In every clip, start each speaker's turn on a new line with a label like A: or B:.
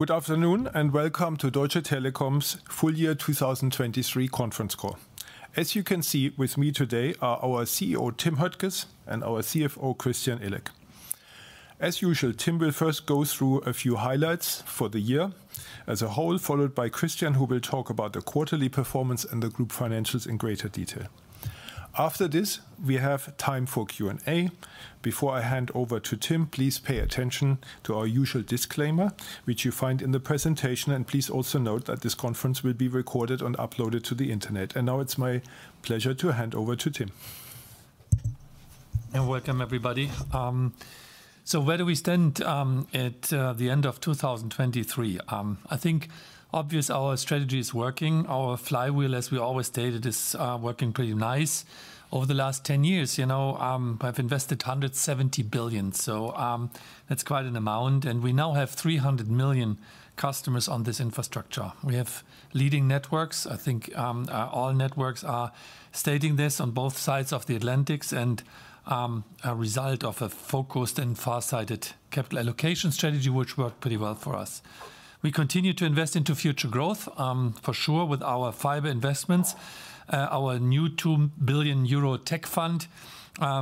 A: Good afternoon and welcome to Deutsche Telekom's Full Year 2023 Conference Call. As you can see, with me today are our CEO Tim Höttges and our CFO Christian Illek. As usual, Tim will first go through a few highlights for the year as a whole, followed by Christian who will talk about the quarterly performance and the group financials in greater detail. After this, we have time for Q&A. Before I hand over to Tim, please pay attention to our usual disclaimer, which you find in the presentation. Please also note that this conference will be recorded and uploaded to the internet. Now it's my pleasure to hand over to Tim.
B: Welcome, everybody. So where do we stand at the end of 2023? I think obviously our strategy is working. Our flywheel, as we always stated, is working pretty nice. Over the last 10 years, you know, we have invested 170 billion. So, that's quite an amount. We now have 300 million customers on this infrastructure. We have leading networks. I think all networks are stating this on both sides of the Atlantic. And a result of a focused and far-sighted capital allocation strategy, which worked pretty well for us. We continue to invest into future growth, for sure, with our fiber investments, our new 2 billion euro tech fund,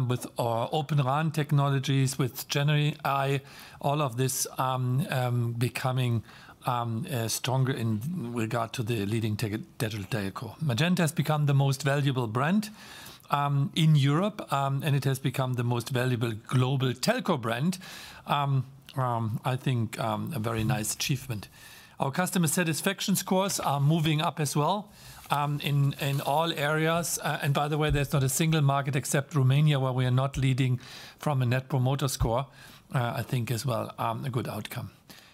B: with Open RAN technologies, with GenAI, all of this becoming stronger in regard to the leading tech digital telco. Magenta has become the most valuable brand in Europe, and it has become the most valuable global telco brand. I think a very nice achievement. Our customer satisfaction scores are moving up as well, in all areas. And by the way, there's not a single market except Romania where we are not leading from a net promoter score. I think as well a good outcome.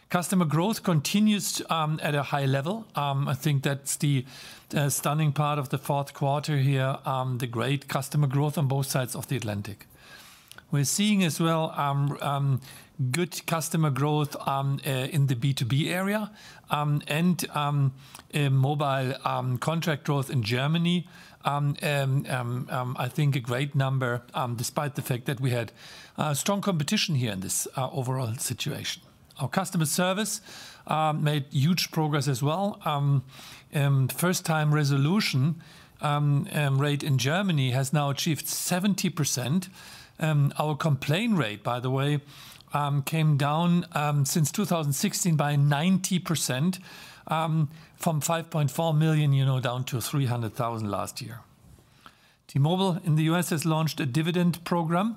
B: Customer growth continues at a high level. I think that's the stunning part of the fourth quarter here, the great customer growth on both sides of the Atlantic. We're seeing as well good customer growth in the B2B area, and mobile contract growth in Germany. I think a great number, despite the fact that we had strong competition here in this overall situation. Our customer service made huge progress as well. First-time resolution rate in Germany has now achieved 70%. Our complaint rate, by the way, came down since 2016 by 90%, from 5.4 million, you know, down to 300,000 last year. T-Mobile in the U.S. has launched a dividend program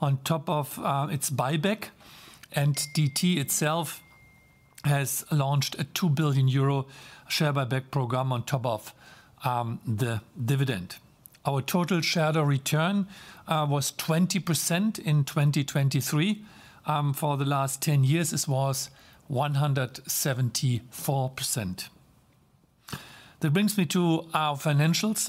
B: on top of its buyback. And DT itself has launched a 2 billion euro share buyback program on top of the dividend. Our total shareholder return was 20% in 2023. For the last 10 years, it was 174%. That brings me to our financials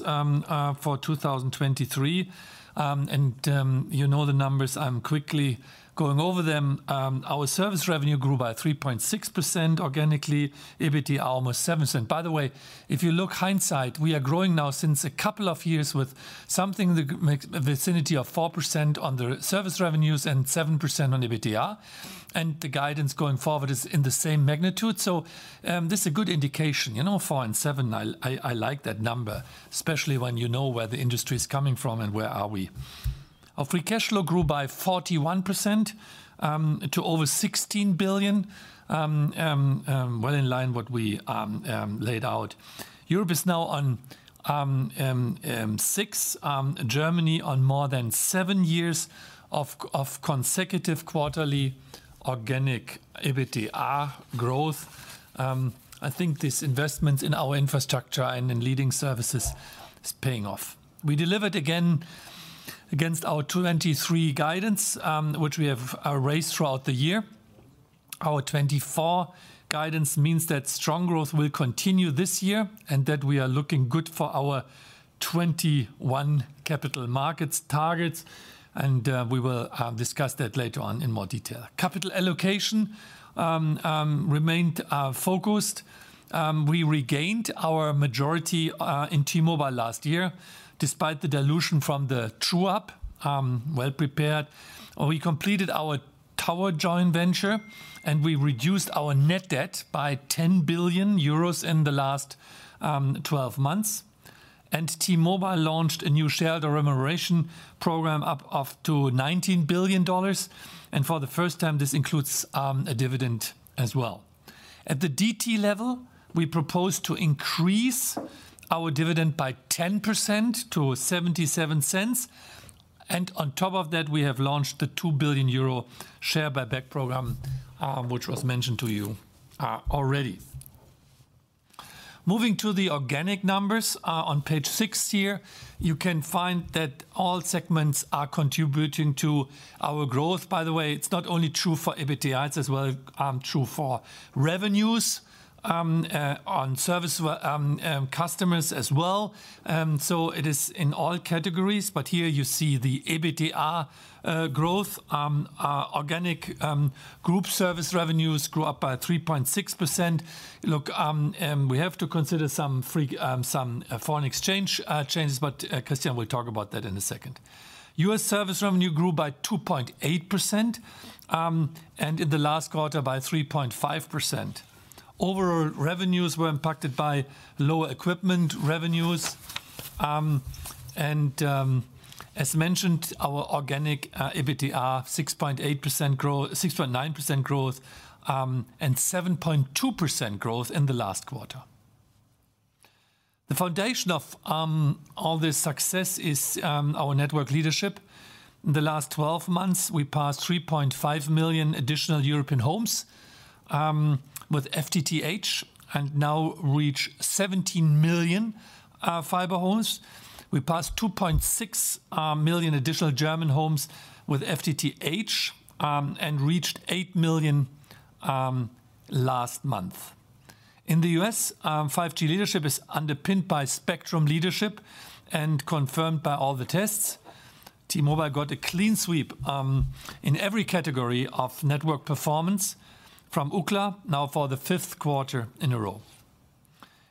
B: for 2023. And, you know the numbers. I'm quickly going over them. Our service revenue grew by 3.6% organically. EBITDA almost 7%. By the way, if you look hindsight, we are growing now since a couple of years with something in the vicinity of 4% on the service revenues and 7% on EBITDA. And the guidance going forward is in the same magnitude. So, this is a good indication, you know, four and seven. I like that number, especially when you know where the industry is coming from and where are we. Our free cash flow grew by 41% to over 16 billion, well in line with what we laid out. Europe is now on six, Germany on more than seven years of consecutive quarterly organic EBITDA growth. I think this investment in our infrastructure and in leading services is paying off. We delivered again against our 2023 guidance, which we have raised throughout the year. Our 2024 guidance means that strong growth will continue this year and that we are looking good for our 2021 capital markets targets. We will discuss that later on in more detail. Capital allocation remained focused. We regained our majority in T-Mobile last year despite the dilution from the true-up, well prepared. We completed our tower joint venture, and we reduced our net debt by 10 billion euros in the last 12 months. T-Mobile launched a new shareholder remuneration program up to $19 billion. For the first time, this includes a dividend as well. At the DT level, we proposed to increase our dividend by 10% to 0.77. And on top of that, we have launched the 2 billion euro share buyback program, which was mentioned to you already. Moving to the organic numbers, on page 6 here, you can find that all segments are contributing to our growth. By the way, it's not only true for EBITDA as well, true for revenues, on service we, customers as well. So it is in all categories. But here you see the EBITDA growth. Organic group service revenues grew up by 3.6%. Look, we have to consider some FX, some foreign exchange changes, but Christian will talk about that in a second. U.S. service revenue grew by 2.8%, and in the last quarter by 3.5%. Overall revenues were impacted by lower equipment revenues. As mentioned, our organic EBITDA 6.8% growth, 6.9% growth, and 7.2% growth in the last quarter. The foundation of all this success is our network leadership. In the last 12 months, we passed 3.5 million additional European homes with FTTH and now reached 17 million fiber homes. We passed 2.6 million additional German homes with FTTH, and reached 8 million last month. In the U.S., 5G leadership is underpinned by spectrum leadership and confirmed by all the tests. T-Mobile got a clean sweep in every category of network performance from Ookla now for the fifth quarter in a row.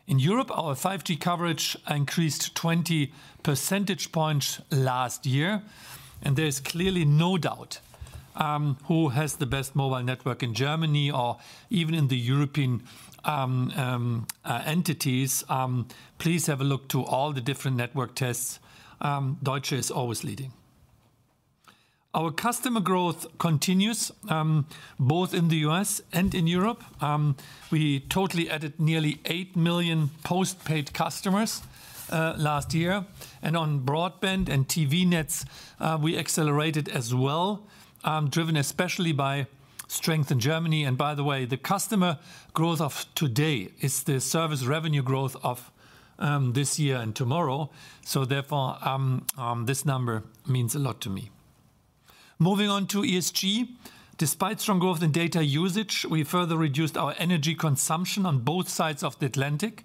B: In Europe, our 5G coverage increased 20 percentage points last year. There's clearly no doubt who has the best mobile network in Germany or even in the European entities. Please have a look to all the different network tests. Deutsche is always leading. Our customer growth continues, both in the U.S. and in Europe. We totally added nearly 8 million postpaid customers last year. On broadband and TV nets, we accelerated as well, driven especially by strength in Germany. By the way, the customer growth of today is the service revenue growth of this year and tomorrow. So therefore, this number means a lot to me. Moving on to ESG. Despite strong growth in data usage, we further reduced our energy consumption on both sides of the Atlantic.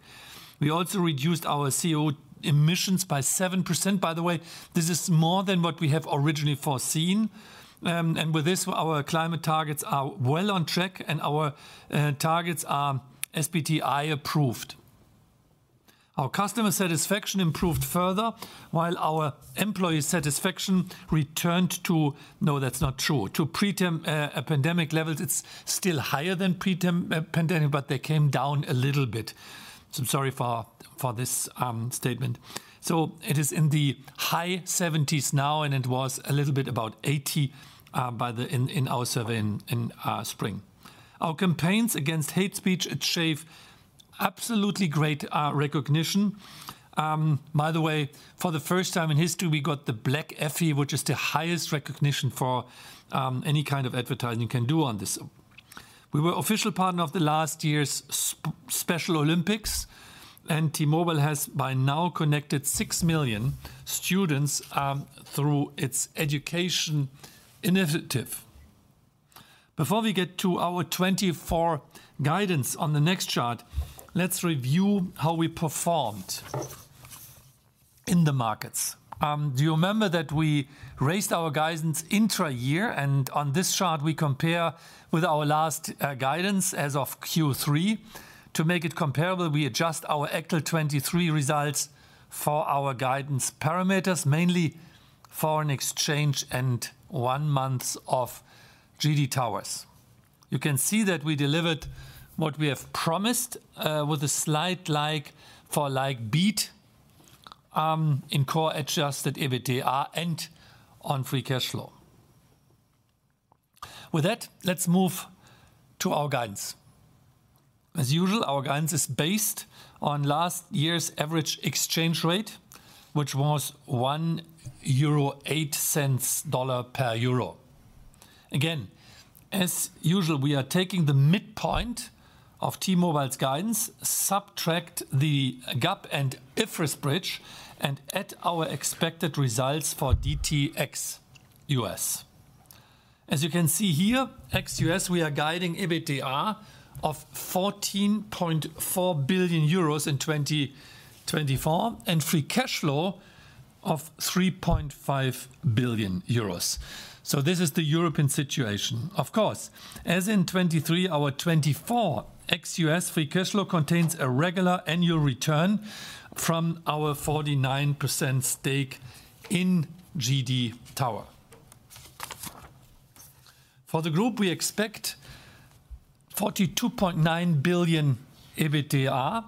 B: We also reduced our CO2 emissions by 7%. By the way, this is more than what we have originally foreseen. With this, our climate targets are well on track, and our targets are SBTi approved. Our customer satisfaction improved further, while our employee satisfaction returned to no, that's not true. To pre-pandemic levels, it's still higher than pre-pandemic, but they came down a little bit. So I'm sorry for this statement. So it is in the high 70s now, and it was a little bit about 80 in our survey in spring. Our campaigns against hate speech achieved absolutely great recognition. By the way, for the first time in history, we got the Black Effie, which is the highest recognition for any kind of advertising you can do on this. We were official partner of last year's Special Olympics, and T-Mobile has by now connected 6 million students through its education initiative. Before we get to our 2024 guidance on the next chart, let's review how we performed in the markets. Do you remember that we raised our guidance intra-year? And on this chart, we compare with our last guidance as of Q3. To make it comparable, we adjust our actual 2023 results for our guidance parameters, mainly foreign exchange and 1 month of GD Towers. You can see that we delivered what we have promised, with a slight like for like beat, in core adjusted EBITDA and on free cash flow. With that, let's move to our guidance. As usual, our guidance is based on last year's average exchange rate, which was $1.08 per euro. Again, as usual, we are taking the midpoint of T-Mobile's guidance, subtract the GAAP and IFRS bridge, and add our expected results for DT ex-U.S., As you can see here, ex-U.S., we are guiding EBITDA of 14.4 billion euros in 2024 and free cash flow of 3.5 billion euros. So this is the European situation. Of course, as in 2023, our 2024 ex-U.S. free cash flow contains a regular annual return from our 49% stake in GD Towers. For the group, we expect 42.9 billion EBITDA,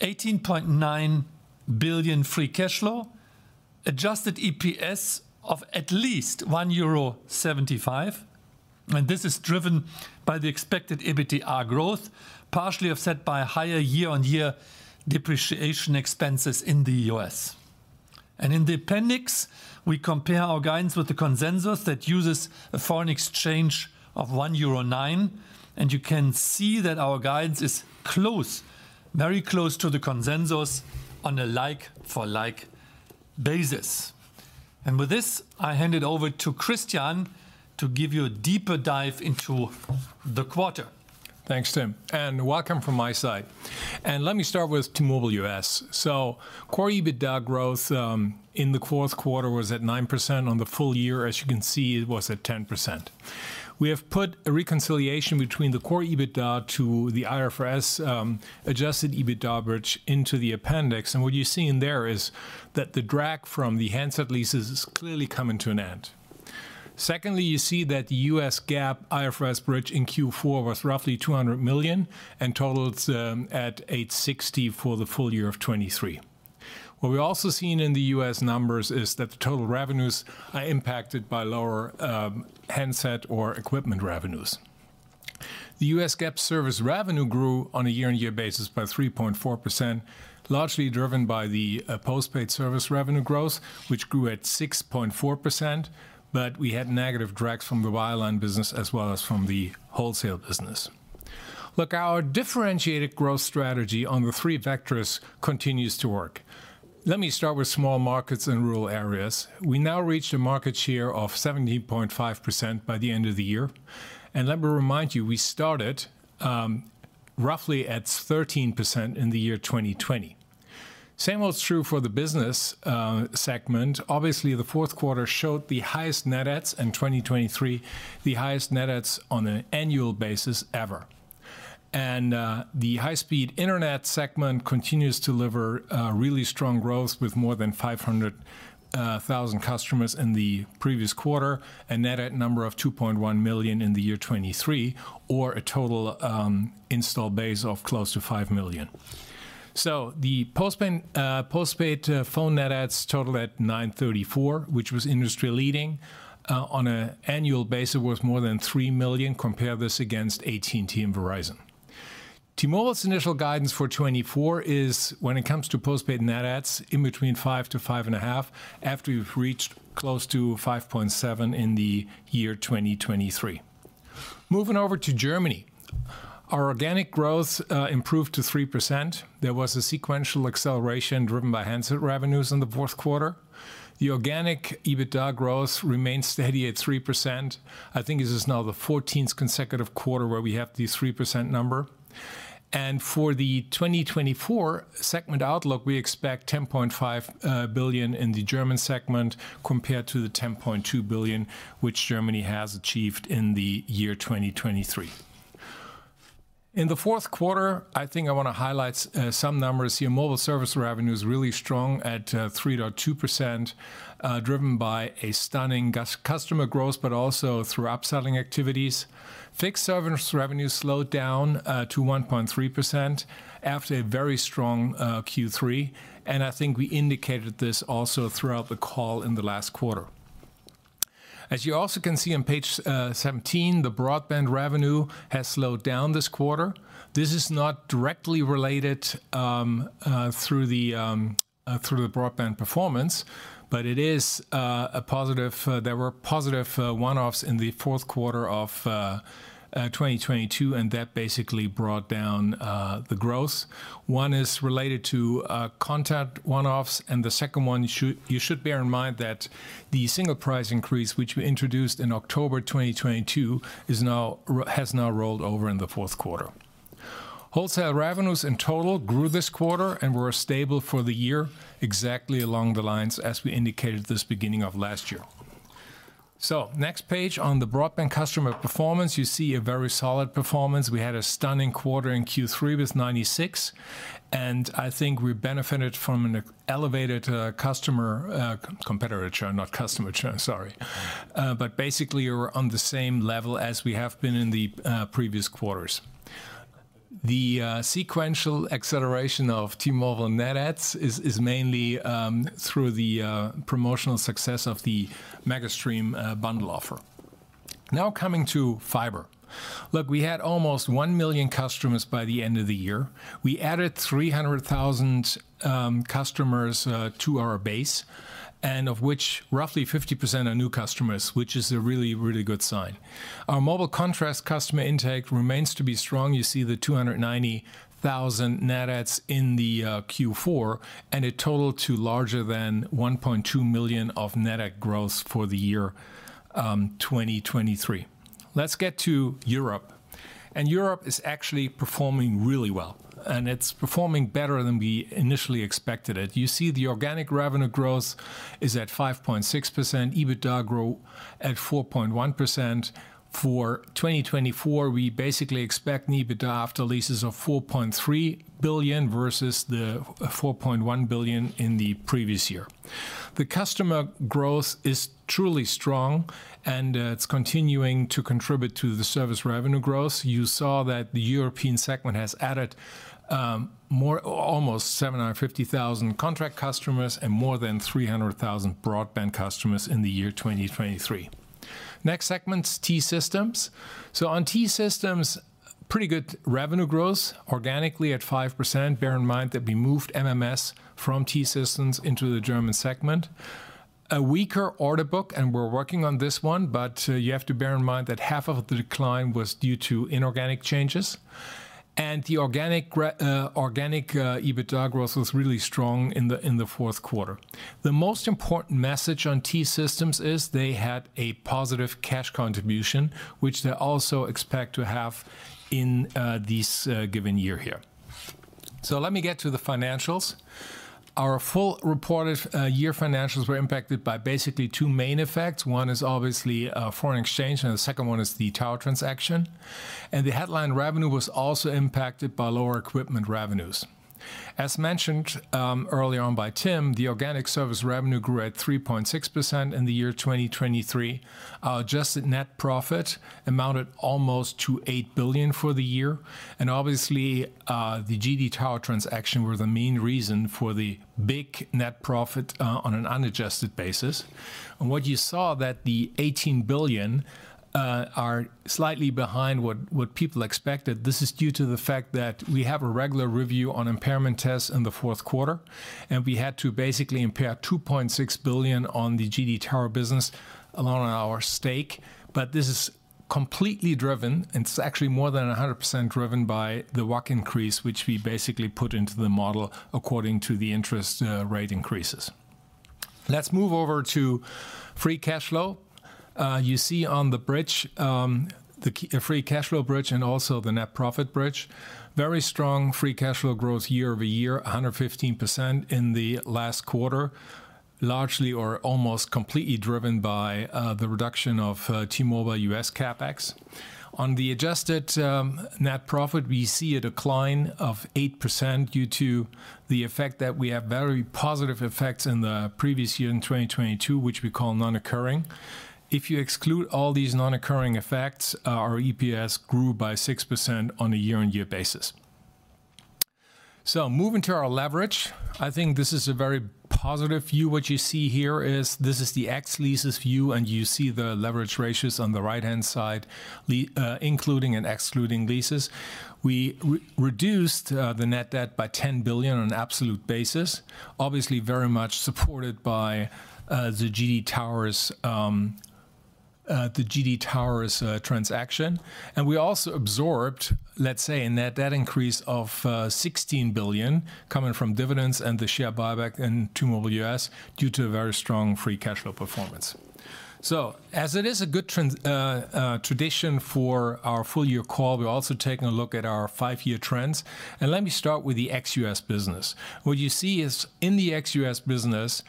B: 18.9 billion free cash flow, adjusted EPS of at least 1.75 euro. And this is driven by the expected EBITDA growth, partially offset by higher year-on-year depreciation expenses in the U.S., and in the appendix, we compare our guidance with the consensus that uses a foreign exchange of 1.09 euro. And you can see that our guidance is close, very close to the consensus on a like-for-like basis. And with this, I hand it over to Christian to give you a deeper dive into the quarter.
C: Thanks, Tim. And welcome from my side. And let me start with T-Mobile U.S., So core EBITDA growth in the fourth quarter was at 9%. On the full year, as you can see, it was at 10%. We have put a reconciliation between the core EBITDA to the IFRS adjusted EBITDA bridge into the appendix. What you're seeing there is that the drag from the handset leases is clearly coming to an end. Secondly, you see that the U.S. GAAP IFRS bridge in Q4 was roughly $200 million and totaled at $860 million for the full year of 2023. What we're also seeing in the U.S. numbers is that the total revenues are impacted by lower handset or equipment revenues. The U.S. GAAP service revenue grew on a year-on-year basis by 3.4%, largely driven by the postpaid service revenue growth, which grew at 6.4%. But we had negative drags from the wireline business as well as from the wholesale business. Look, our differentiated growth strategy on the three vectors continues to work. Let me start with small markets and rural areas. We now reached a market share of 17.5% by the end of the year. Let me remind you, we started roughly at 13% in the year 2020. Same was true for the business segment. Obviously, the fourth quarter showed the highest net adds in 2023, the highest net adds on an annual basis ever. The high-speed internet segment continues to deliver really strong growth with more than 500,000 customers in the previous quarter and net add number of 2.1 million in the year 2023, or a total install base of close to 5 million. The postpaid phone net adds totaled at $934 million, which was industry-leading. On an annual basis, it was more than $3 million. Compare this against AT&T and Verizon. T-Mobile's initial guidance for 2024 is, when it comes to postpaid net adds, in between 5%-5.5% after we've reached close to 5.7% in the year 2023. Moving over to Germany, our organic growth improved to 3%. There was a sequential acceleration driven by handset revenues in the fourth quarter. The organic EBITDA growth remained steady at 3%. I think this is now the 14th consecutive quarter where we have the 3% number. For the 2024 segment outlook, we expect 10.5 billion in the German segment compared to the 10.2 billion which Germany has achieved in the year 2023. In the fourth quarter, I think I want to highlight some numbers here. Mobile service revenue is really strong at 3.2%, driven by a stunning customer growth, but also through upselling activities. Fixed service revenue slowed down to 1.3% after a very strong Q3. I think we indicated this also throughout the call in the last quarter. As you also can see on page 17, the broadband revenue has slowed down this quarter. This is not directly related through the broadband performance, but it is a positive; there were positive one-offs in the fourth quarter of 2022, and that basically brought down the growth. One is related to contract one-offs. And the second one, you should bear in mind that the single price increase, which we introduced in October 2022, has now rolled over in the fourth quarter. Wholesale revenues in total grew this quarter and were stable for the year, exactly along the lines as we indicated at the beginning of last year. So next page, on the broadband customer performance, you see a very solid performance. We had a stunning quarter in Q3 with 96%. And I think we benefited from an elevated competitor churn, not customer churn, sorry. But basically, we were on the same level as we have been in the previous quarters. The sequential acceleration of T-Mobile net adds is mainly through the promotional success of the MegaStream bundle offer. Now coming to fiber. Look, we had almost 1 million customers by the end of the year. We added 300,000 customers to our base, and of which roughly 50% are new customers, which is a really, really good sign. Our mobile contract customer intake remains to be strong. You see the 290,000 net adds in the Q4, and it totaled to larger than 1.2 million of net add growth for the year 2023. Let's get to Europe. Europe is actually performing really well, and it's performing better than we initially expected it. You see the organic revenue growth is at 5.6%, EBITDA growth at 4.1%. For 2024, we basically expect an EBITDA after leases of $4.3 billion versus the $4.1 billion in the previous year. The customer growth is truly strong, and it's continuing to contribute to the service revenue growth. You saw that the European segment has added more almost 750,000 contract customers and more than 300,000 broadband customers in the year 2023. Next segment, T-Systems. So on T-Systems, pretty good revenue growth organically at 5%. Bear in mind that we moved MMS from T-Systems into the German segment. A weaker order book, and we're working on this one, but you have to bear in mind that half of the decline was due to inorganic changes. And the organic EBITDA growth was really strong in the fourth quarter. The most important message on T-Systems is they had a positive cash contribution, which they also expect to have in this given year here. So let me get to the financials. Our full reported year financials were impacted by basically two main effects. One is obviously foreign exchange, and the second one is the tower transaction. The headline revenue was also impacted by lower equipment revenues. As mentioned earlier on by Tim, the organic service revenue grew at 3.6% in the year 2023. Our adjusted net profit amounted almost to $8 billion for the year. Obviously, the GD Towers transaction were the main reason for the big net profit on an unadjusted basis. What you saw, that the $18 billion are slightly behind what people expected. This is due to the fact that we have a regular review on impairment tests in the fourth quarter, and we had to basically impair $2.6 billion on the GD Towers business along on our stake. But this is completely driven, and it's actually more than 100% driven by the WACC increase, which we basically put into the model according to the interest rate increases. Let's move over to free cash flow. You see on the bridge, the key free cash flow bridge and also the net profit bridge, very strong free cash flow growth year-over-year, 115% in the last quarter, largely or almost completely driven by the reduction of T-Mobile U.S. CapEx. On the adjusted net profit, we see a decline of 8% due to the effect that we have very positive effects in the previous year in 2022, which we call non-recurring. If you exclude all these non-recurring effects, our EPS grew by 6% on a year-on-year basis. So moving to our leverage, I think this is a very positive view. What you see here is this is the ex-leases view, and you see the leverage ratios on the right-hand side, including and excluding leases. We reduced the net debt by $10 billion on an absolute basis, obviously very much supported by the GD Towers transaction. And we also absorbed, let's say, a net debt increase of $16 billion coming from dividends and the share buyback in T-Mobile U.S. due to a very strong free cash flow performance. So as it is a good tradition for our full-year call, we're also taking a look at our five-year trends. And let me start with the ex-U.S. business. What you see is in the ex-U.S. business,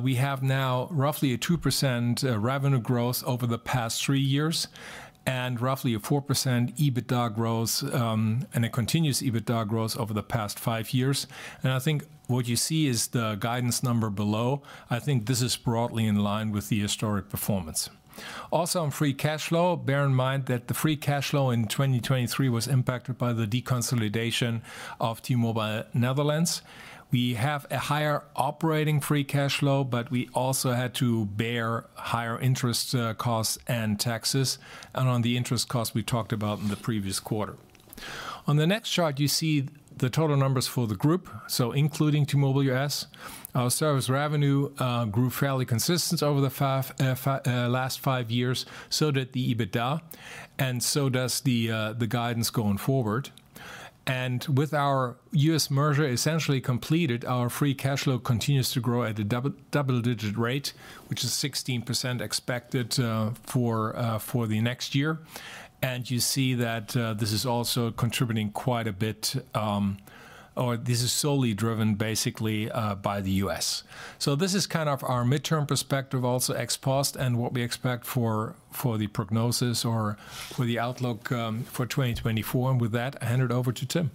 C: we have now roughly a 2% revenue growth over the past three years and roughly a 4% EBITDA growth, and a continuous EBITDA growth over the past five years. I think what you see is the guidance number below. I think this is broadly in line with the historic performance. Also on free cash flow, bear in mind that the free cash flow in 2023 was impacted by the deconsolidation of T-Mobile Netherlands. We have a higher operating free cash flow, but we also had to bear higher interest costs and taxes. And on the interest costs, we talked about in the previous quarter. On the next chart, you see the total numbers for the group, so including T-Mobile U.S., Our service revenue grew fairly consistent over the last 5 years, so did the EBITDA, and so does the guidance going forward. And with our U.S. merger essentially completed, our free cash flow continues to grow at a double-digit rate, which is 16% expected for the next year. And you see that, this is also contributing quite a bit, or this is solely driven basically, by the U.S., So this is kind of our midterm perspective, also ex-post, and what we expect for the prognosis or for the outlook, for 2024. And with that, I hand it over to Tim.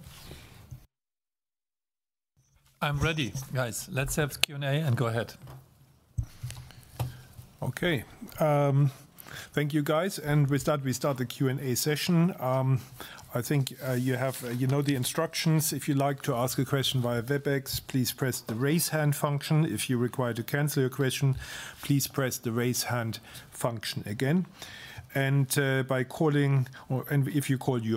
B: I'm ready, guys. Let's have Q&A and go ahead.
A: Okay. Thank you, guys. And with that, we start the Q&A session. I think you have, you know, the instructions. If you'd like to ask a question via WebEx, please press the raise hand function. If you require to cancel your question, please press the raise hand function again. And by calling, or if you call in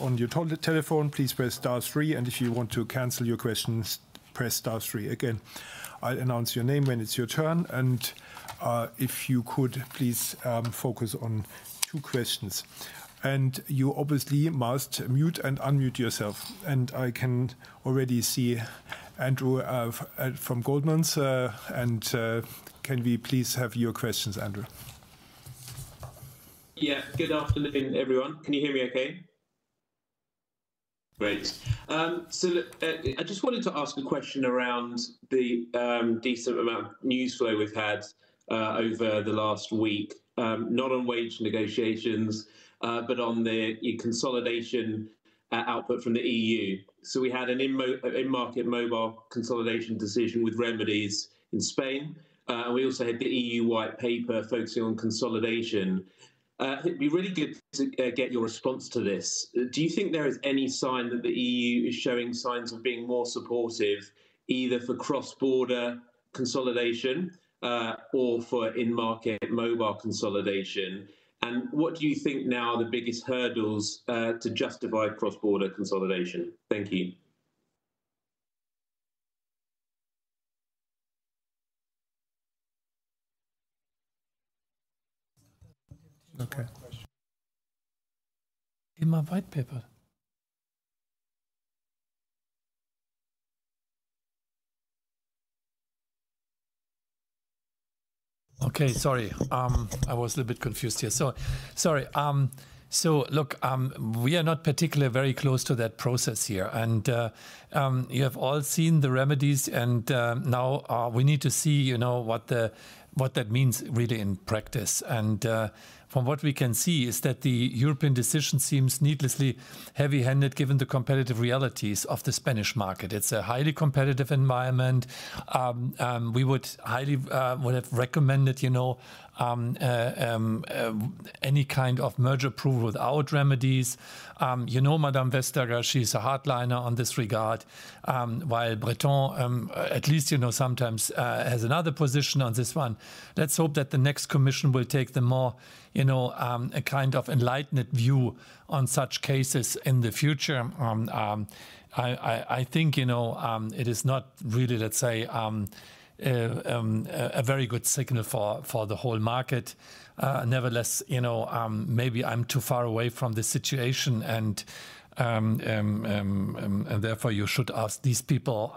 A: on your telephone, please press star three. And if you want to cancel your questions, press star three again. I'll announce your name when it's your turn. And, if you could, please, focus on two questions. And you obviously must mute and unmute yourself. And I can already see Andrew from Goldman Sachs. And, can we please have your questions, Andrew?
D: Yeah. Good afternoon, everyone. Can you hear me okay?
B: Great.
D: So look, I just wanted to ask a question around the decent amount of news flow we've had, over the last week, not on wage negotiations, but on the, you know, consolidation output from the EU. So we had an in-market mobile consolidation decision with remedies in Spain. And we also had the EU white paper focusing on consolidation. It'd be really good to get your response to this. Do you think there is any sign that the EU is showing signs of being more supportive either for cross-border consolidation, or for in-market mobile consolidation? What do you think now are the biggest hurdles to justify cross-border consolidation? Thank you.
B: Okay. In my white paper. Okay. Sorry. I was a little bit confused here. So sorry. So look, we are not particularly very close to that process here. You have all seen the Remedies, and now, we need to see, you know, what that means really in practice. From what we can see is that the European decision seems needlessly heavy-handed given the competitive realities of the Spanish market. It's a highly competitive environment. We would highly have recommended, you know, any kind of merger approval without Remedies. You know, Madame Vestager, she's a hardliner on this regard, while Breton, at least, you know, sometimes, has another position on this one. Let's hope that the next commission will take the more, you know, a kind of enlightened view on such cases in the future. I think, you know, it is not really, let's say, a very good signal for the whole market. Nevertheless, you know, maybe I'm too far away from this situation, and therefore you should ask these people,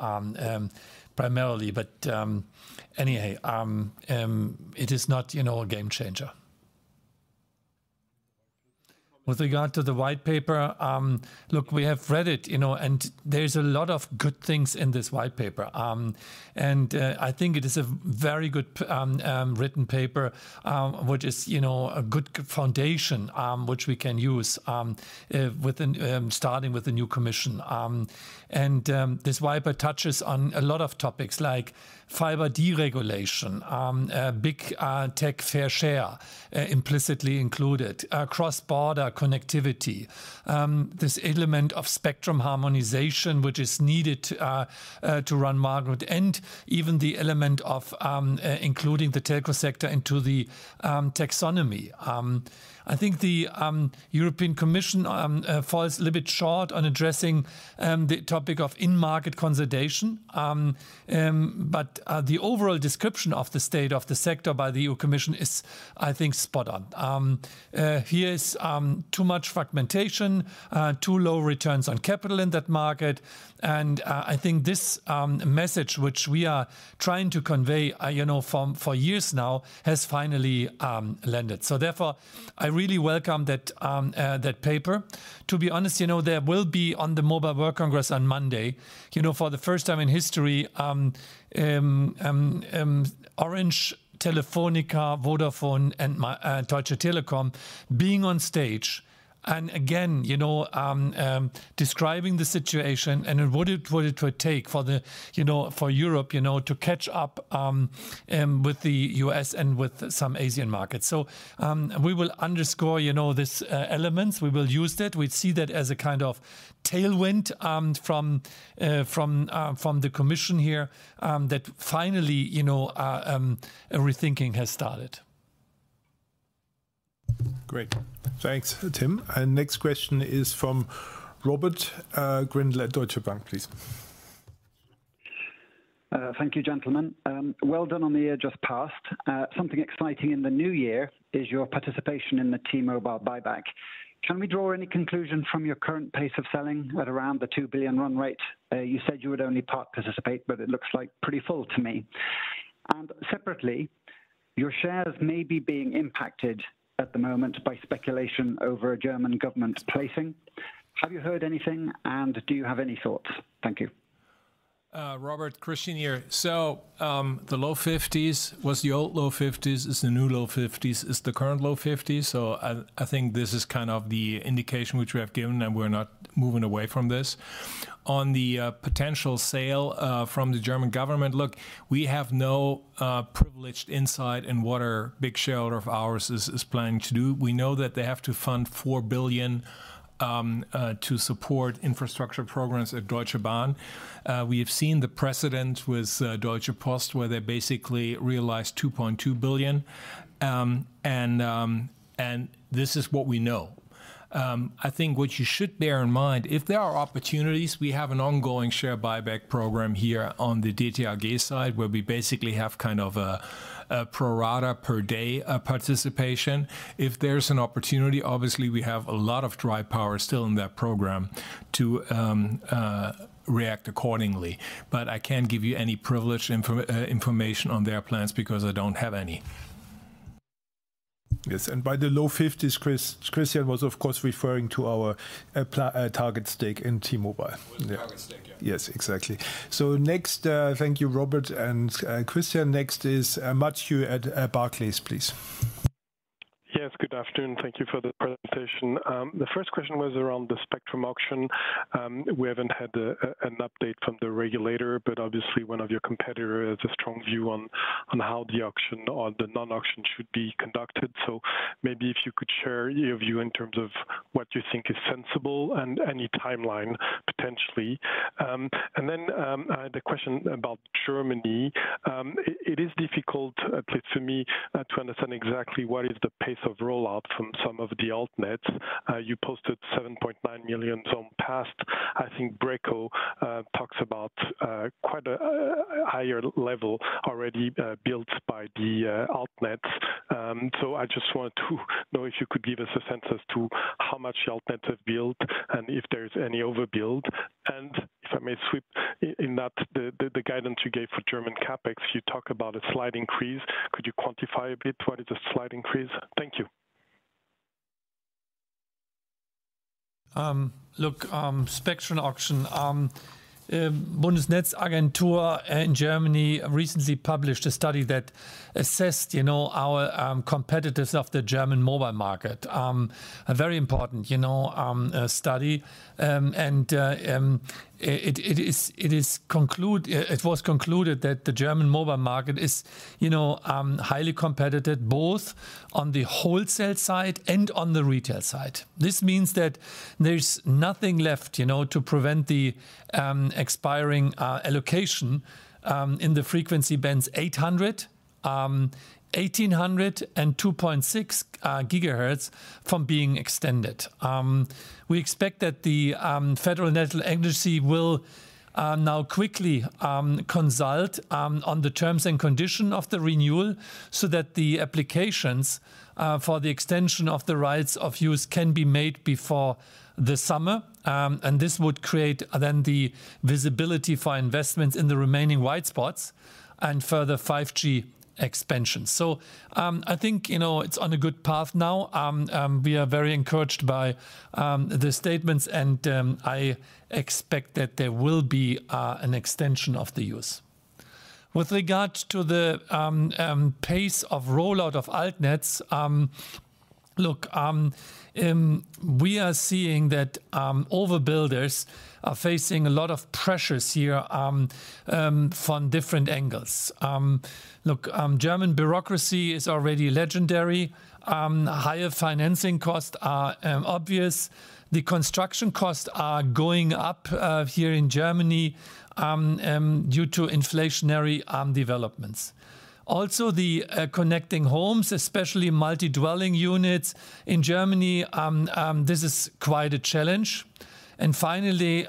B: primarily. But, anyway, it is not, you know, a game changer. With regard to the white paper, look, we have read it, you know, and there's a lot of good things in this white paper. And, I think it is a very good, written paper, which is, you know, a good foundation, which we can use, within, starting with the new commission. This white paper touches on a lot of topics like fiber deregulation, big tech fair share, implicitly included, cross-border connectivity, this element of spectrum harmonization which is needed to run market, and even the element of including the telco sector into the taxonomy. I think the European Commission falls a little bit short on addressing the topic of in-market consolidation. But the overall description of the state of the sector by the EU Commission is, I think, spot on. There is too much fragmentation, too low returns on capital in that market. And I think this message which we are trying to convey, you know, for years now has finally landed. So therefore, I really welcome that paper. To be honest, you know, there will be on the Mobile World Congress on Monday, you know, for the first time in history, Orange, Telefónica, Vodafone, and Deutsche Telekom being on stage and again, you know, describing the situation and what it would take for the, you know, for Europe, you know, to catch up with the U.S. and with some Asian markets. So, we will underscore, you know, these elements. We will use that. We'd see that as a kind of tailwind from the commission here, that finally, you know, a rethinking has started.
A: Great. Thanks, Tim. Next question is from Robert Grindle at Deutsche Bank, please.
E: Thank you, gentlemen. Well done on the year just past. Something exciting in the new year is your participation in the T-Mobile buyback. Can we draw any conclusion from your current pace of selling at around the $2 billion run rate? You said you would only part participate, but it looks like pretty full to me. And separately, your shares may be being impacted at the moment by speculation over a German government placing. Have you heard anything, and do you have any thoughts? Thank you.
C: Robert, Christian here. So, the low 50s was the old low 50s. It's the new low 50s. It's the current low 50s. So I, I think this is kind of the indication which we have given, and we're not moving away from this. On the potential sale from the German government, look, we have no privileged insight in what our big shareholder of ours is planning to do. We know that they have to fund $4 billion to support infrastructure programs at Deutsche Bahn. We have seen the precedent with Deutsche Post, where they basically realized $2.2 billion. And this is what we know. I think what you should bear in mind, if there are opportunities, we have an ongoing share buyback program here on the DT AG side where we basically have kind of a pro rata per day participation. If there's an opportunity, obviously, we have a lot of dry powder still in that program to react accordingly. But I can't give you any privileged information on their plans because I don't have any.
A: Yes. And by the low 50s, Chris, Christian was, of course, referring to our planned target stake in T-Mobile.
E: Yeah. Target stake, yeah.
A: Yes, exactly. So next, thank you, Robert and Christian. Next is Mathieu at Barclays, please.
F: Yes. Good afternoon. Thank you for the presentation. The first question was around the spectrum auction. We haven't had an update from the regulator, but obviously, one of your competitors has a strong view on how the auction or the non-auction should be conducted. So maybe if you could share your view in terms of what you think is sensible and any timeline, potentially. And then, the question about Germany. It is difficult, at least for me, to understand exactly what is the pace of rollout from some of the altnets. You posted 7.9 million homes passed. I think BREKO talks about quite a higher level already built by the altnets. So I just wanted to know if you could give us a sense as to how much the altnets have built and if there's any overbuild. And if I may sweep in that, the guidance you gave for German CapEx, you talk about a slight increase. Could you quantify a bit what is a slight increase? Thank you.
B: Look, spectrum auction. Bundesnetzagentur in Germany recently published a study that assessed, you know, our competitors of the German mobile market. A very important, you know, study. And it was concluded that the German mobile market is, you know, highly competitive both on the wholesale side and on the retail side. This means that there's nothing left, you know, to prevent the expiring allocation in the frequency bands 800, 1800, and 2.6 gigahertz from being extended. We expect that the Federal Network Agency will now quickly consult on the terms and conditions of the renewal so that the applications for the extension of the rights of use can be made before the summer. And this would create then the visibility for investments in the remaining white spots and further 5G expansion. So, I think, you know, it's on a good path now. We are very encouraged by the statements, and I expect that there will be an extension of the use. With regard to the pace of rollout of altnets, look, we are seeing that overbuilders are facing a lot of pressures here, from different angles. Look, German bureaucracy is already legendary. Higher financing costs are obvious. The construction costs are going up here in Germany due to inflationary developments. Also, the connecting homes, especially multi-dwelling units in Germany, this is quite a challenge. And finally,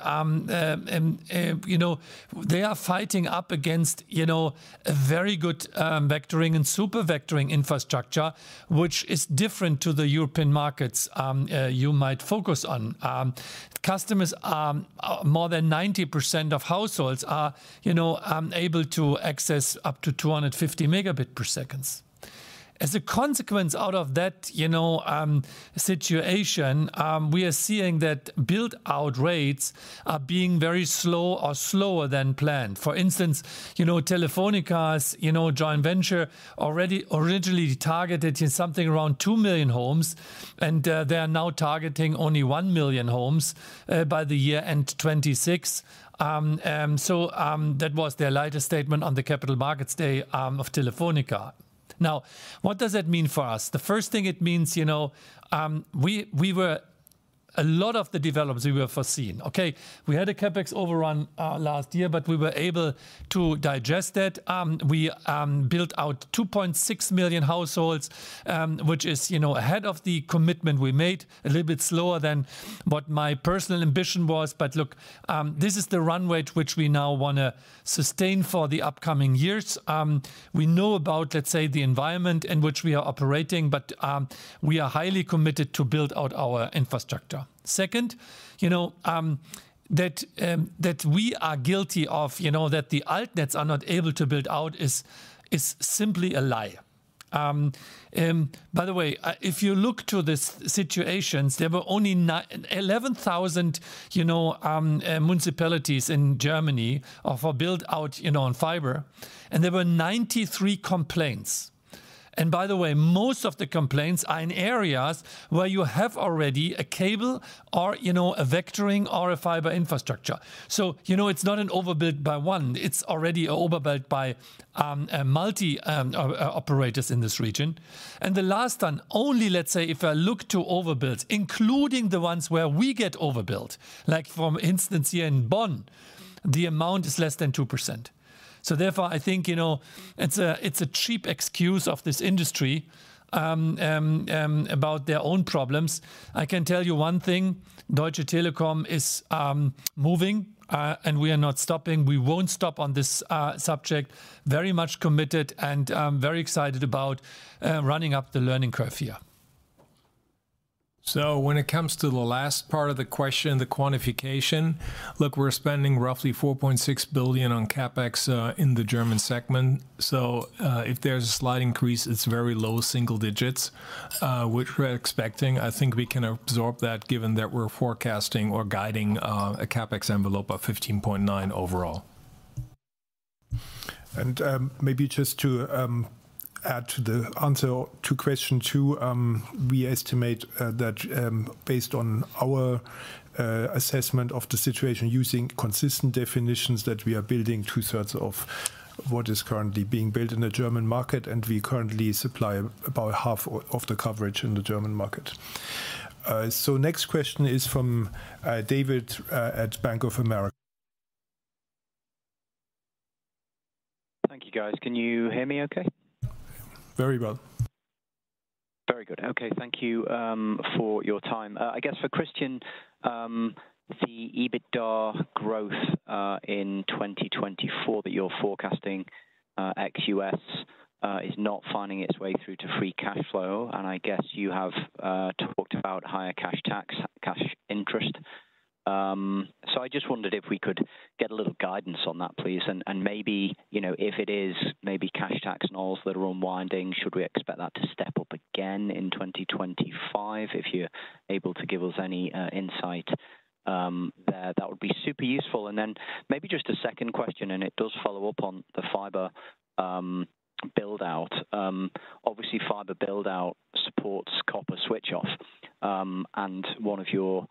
B: you know, they are fighting up against, you know, a very good vectoring and super vectoring infrastructure which is different to the European markets you might focus on. Customers, more than 90% of households are, you know, able to access up to 250 Mbps. As a consequence out of that, you know, situation, we are seeing that build-out rates are being very slow or slower than planned. For instance, you know, Telefónica's, you know, joint venture already originally targeted, you know, something around 2 million homes, and they are now targeting only 1 million homes, by year-end 2026. So, that was their latest statement on the Capital Markets Day of Telefónica. Now, what does that mean for us? The first thing it means, you know, we, we were a lot of the developers we were foreseeing, okay? We had a CapEx overrun last year, but we were able to digest that. We built out 2.6 million households, which is, you know, ahead of the commitment we made, a little bit slower than what my personal ambition was. But look, this is the run rate which we now want to sustain for the upcoming years. We know about, let's say, the environment in which we are operating, but we are highly committed to build out our infrastructure. Second, you know, that we are guilty of, you know, that the altnets are not able to build out is simply a lie. By the way, if you look to these situations, there were only 11,000, you know, municipalities in Germany for build-out, you know, on fiber, and there were 93 complaints. And by the way, most of the complaints are in areas where you have already a cable or, you know, a vectoring or a fiber infrastructure. So, you know, it's not an overbuild by one. It's already an overbuild by multi operators in this region. The last one, only, let's say, if I look to overbuilds, including the ones where we get overbuild, like for instance here in Bonn, the amount is less than 2%. So therefore, I think, you know, it's a cheap excuse of this industry, about their own problems. I can tell you one thing. Deutsche Telekom is moving, and we are not stopping. We won't stop on this subject. Very much committed and very excited about running up the learning curve here.
C: So when it comes to the last part of the question, the quantification, look, we're spending roughly 4.6 billion on CapEx in the German segment. So, if there's a slight increase, it's very low single digits, which we're expecting. I think we can absorb that given that we're forecasting or guiding a CapEx envelope of 15.9 billion overall.
A: Maybe just to add to the answer to question two, we estimate that based on our assessment of the situation using consistent definitions that we are building two-thirds of what is currently being built in the German market, and we currently supply about half of the coverage in the German market. So next question is from David at Bank of America.
G: Thank you, guys. Can you hear me okay?
A: Very well.
G: Very good. Okay. Thank you for your time. I guess for Christian, the EBITDA growth in 2024 that you're forecasting ex-U.S. is not finding its way through to free cash flow. And I guess you have talked about higher cash tax, cash interest. So I just wondered if we could get a little guidance on that, please. Maybe, you know, if it is maybe cash tax NOLs that are unwinding, should we expect that to step up again in 2025 if you're able to give us any insight there, that would be super useful. Then maybe just a second question, and it does follow up on the fiber build-out. Obviously, fiber build-out supports copper switch-off. One of your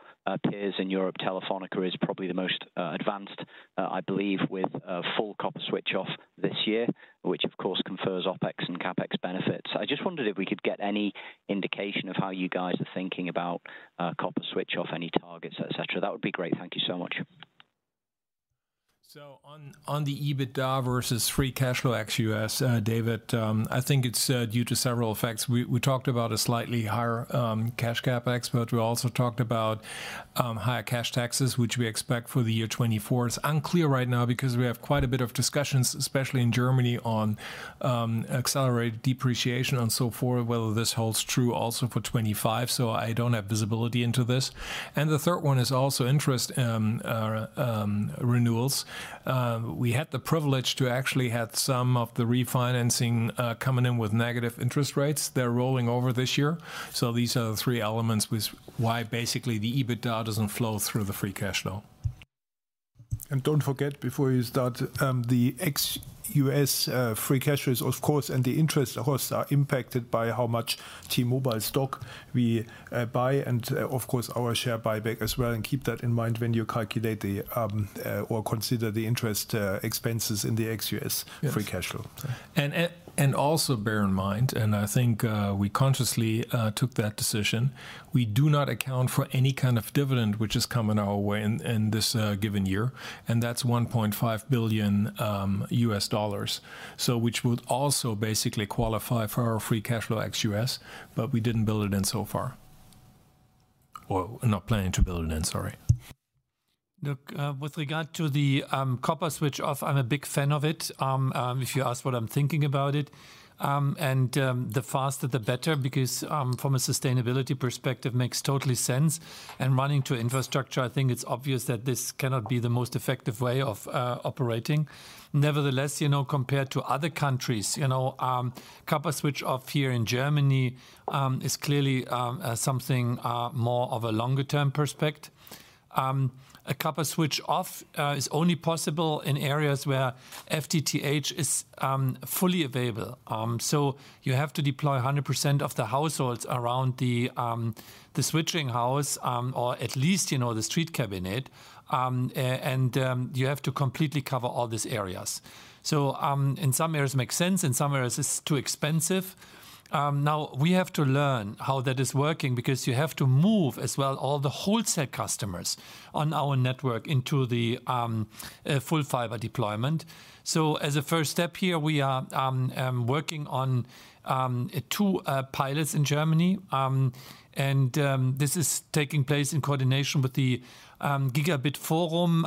G: peers in Europe, Telefónica, is probably the most advanced, I believe, with a full copper switch-off this year, which, of course, confers OpEx and CapEx benefits. I just wondered if we could get any indication of how you guys are thinking about copper switch-off, any targets, etc. That would be great. Thank you so much.
C: So on the EBITDA versus free cash flow ex-U.S., David, I think it's due to several effects. We talked about a slightly higher cash CapEx, but we also talked about higher cash taxes, which we expect for the year 2024. It's unclear right now because we have quite a bit of discussions, especially in Germany, on accelerated depreciation and so forth, whether this holds true also for 2025. So I don't have visibility into this. And the third one is also interest renewals. We had the privilege to actually have some of the refinancing coming in with negative interest rates. They're rolling over this year. So these are the three elements with why basically the EBITDA doesn't flow through the free cash flow.
A: And don't forget, before you start, the ex-U.S. free cash flow is, of course, and the interest, of course, are impacted by how much T-Mobile stock we buy and, of course, our share buyback as well. And keep that in mind when you calculate the, or consider the interest, expenses in the ex-U.S. free cash flow. Yeah.
C: And also bear in mind, and I think, we consciously, took that decision, we do not account for any kind of dividend which has come in our way in, in this, given year. And that's $1.5 billion U.S. dollars, so which would also basically qualify for our free cash flow ex-U.S., but we didn't build it in so far. Or not planning to build it in. Sorry.
B: Look, with regard to the, copper switch-off, I'm a big fan of it, if you ask what I'm thinking about it. And the faster, the better because, from a sustainability perspective, makes totally sense. And running to infrastructure, I think it's obvious that this cannot be the most effective way of, operating. Nevertheless, you know, compared to other countries, you know, copper switch-off here in Germany is clearly something more of a longer-term perspective. A copper switch-off is only possible in areas where FTTH is fully available. So you have to deploy 100% of the households around the switching house, or at least, you know, the street cabinet. And you have to completely cover all these areas. So, in some areas, it makes sense. In some areas, it's too expensive. Now, we have to learn how that is working because you have to move as well all the wholesale customers on our network into the full fiber deployment. So as a first step here, we are working on 2 pilots in Germany. And this is taking place in coordination with the Gigabit Forum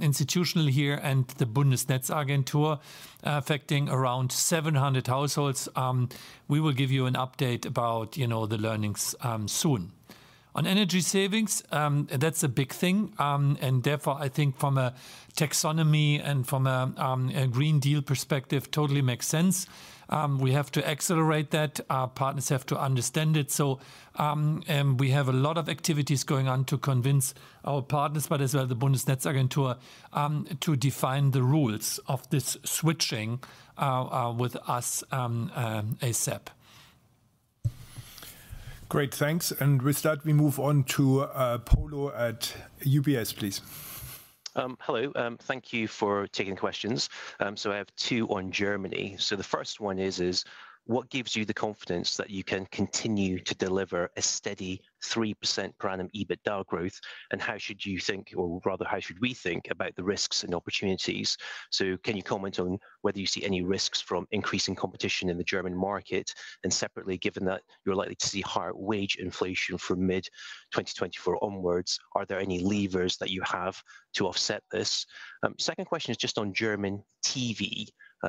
B: institution here and the Bundesnetzagentur, affecting around 700 households. We will give you an update about, you know, the learnings, soon. On energy savings, that's a big thing. And therefore, I think from a taxonomy and from a Green Deal perspective, totally makes sense. We have to accelerate that. Our partners have to understand it. So, we have a lot of activities going on to convince our partners, but as well the Bundesnetzagentur, to define the rules of this switching, with us, ASAP.
A: Great. Thanks. And with that, we move on to, Polo at UBS, please. Hello.
H: Thank you for taking the questions. So I have two on Germany. So the first one is, what gives you the confidence that you can continue to deliver a steady 3% per annum EBITDA growth? And how should you think, or rather, how should we think about the risks and opportunities? So can you comment on whether you see any risks from increasing competition in the German market? And separately, given that you're likely to see higher wage inflation from mid-2024 onwards, are there any levers that you have to offset this? Second question is just on German TV,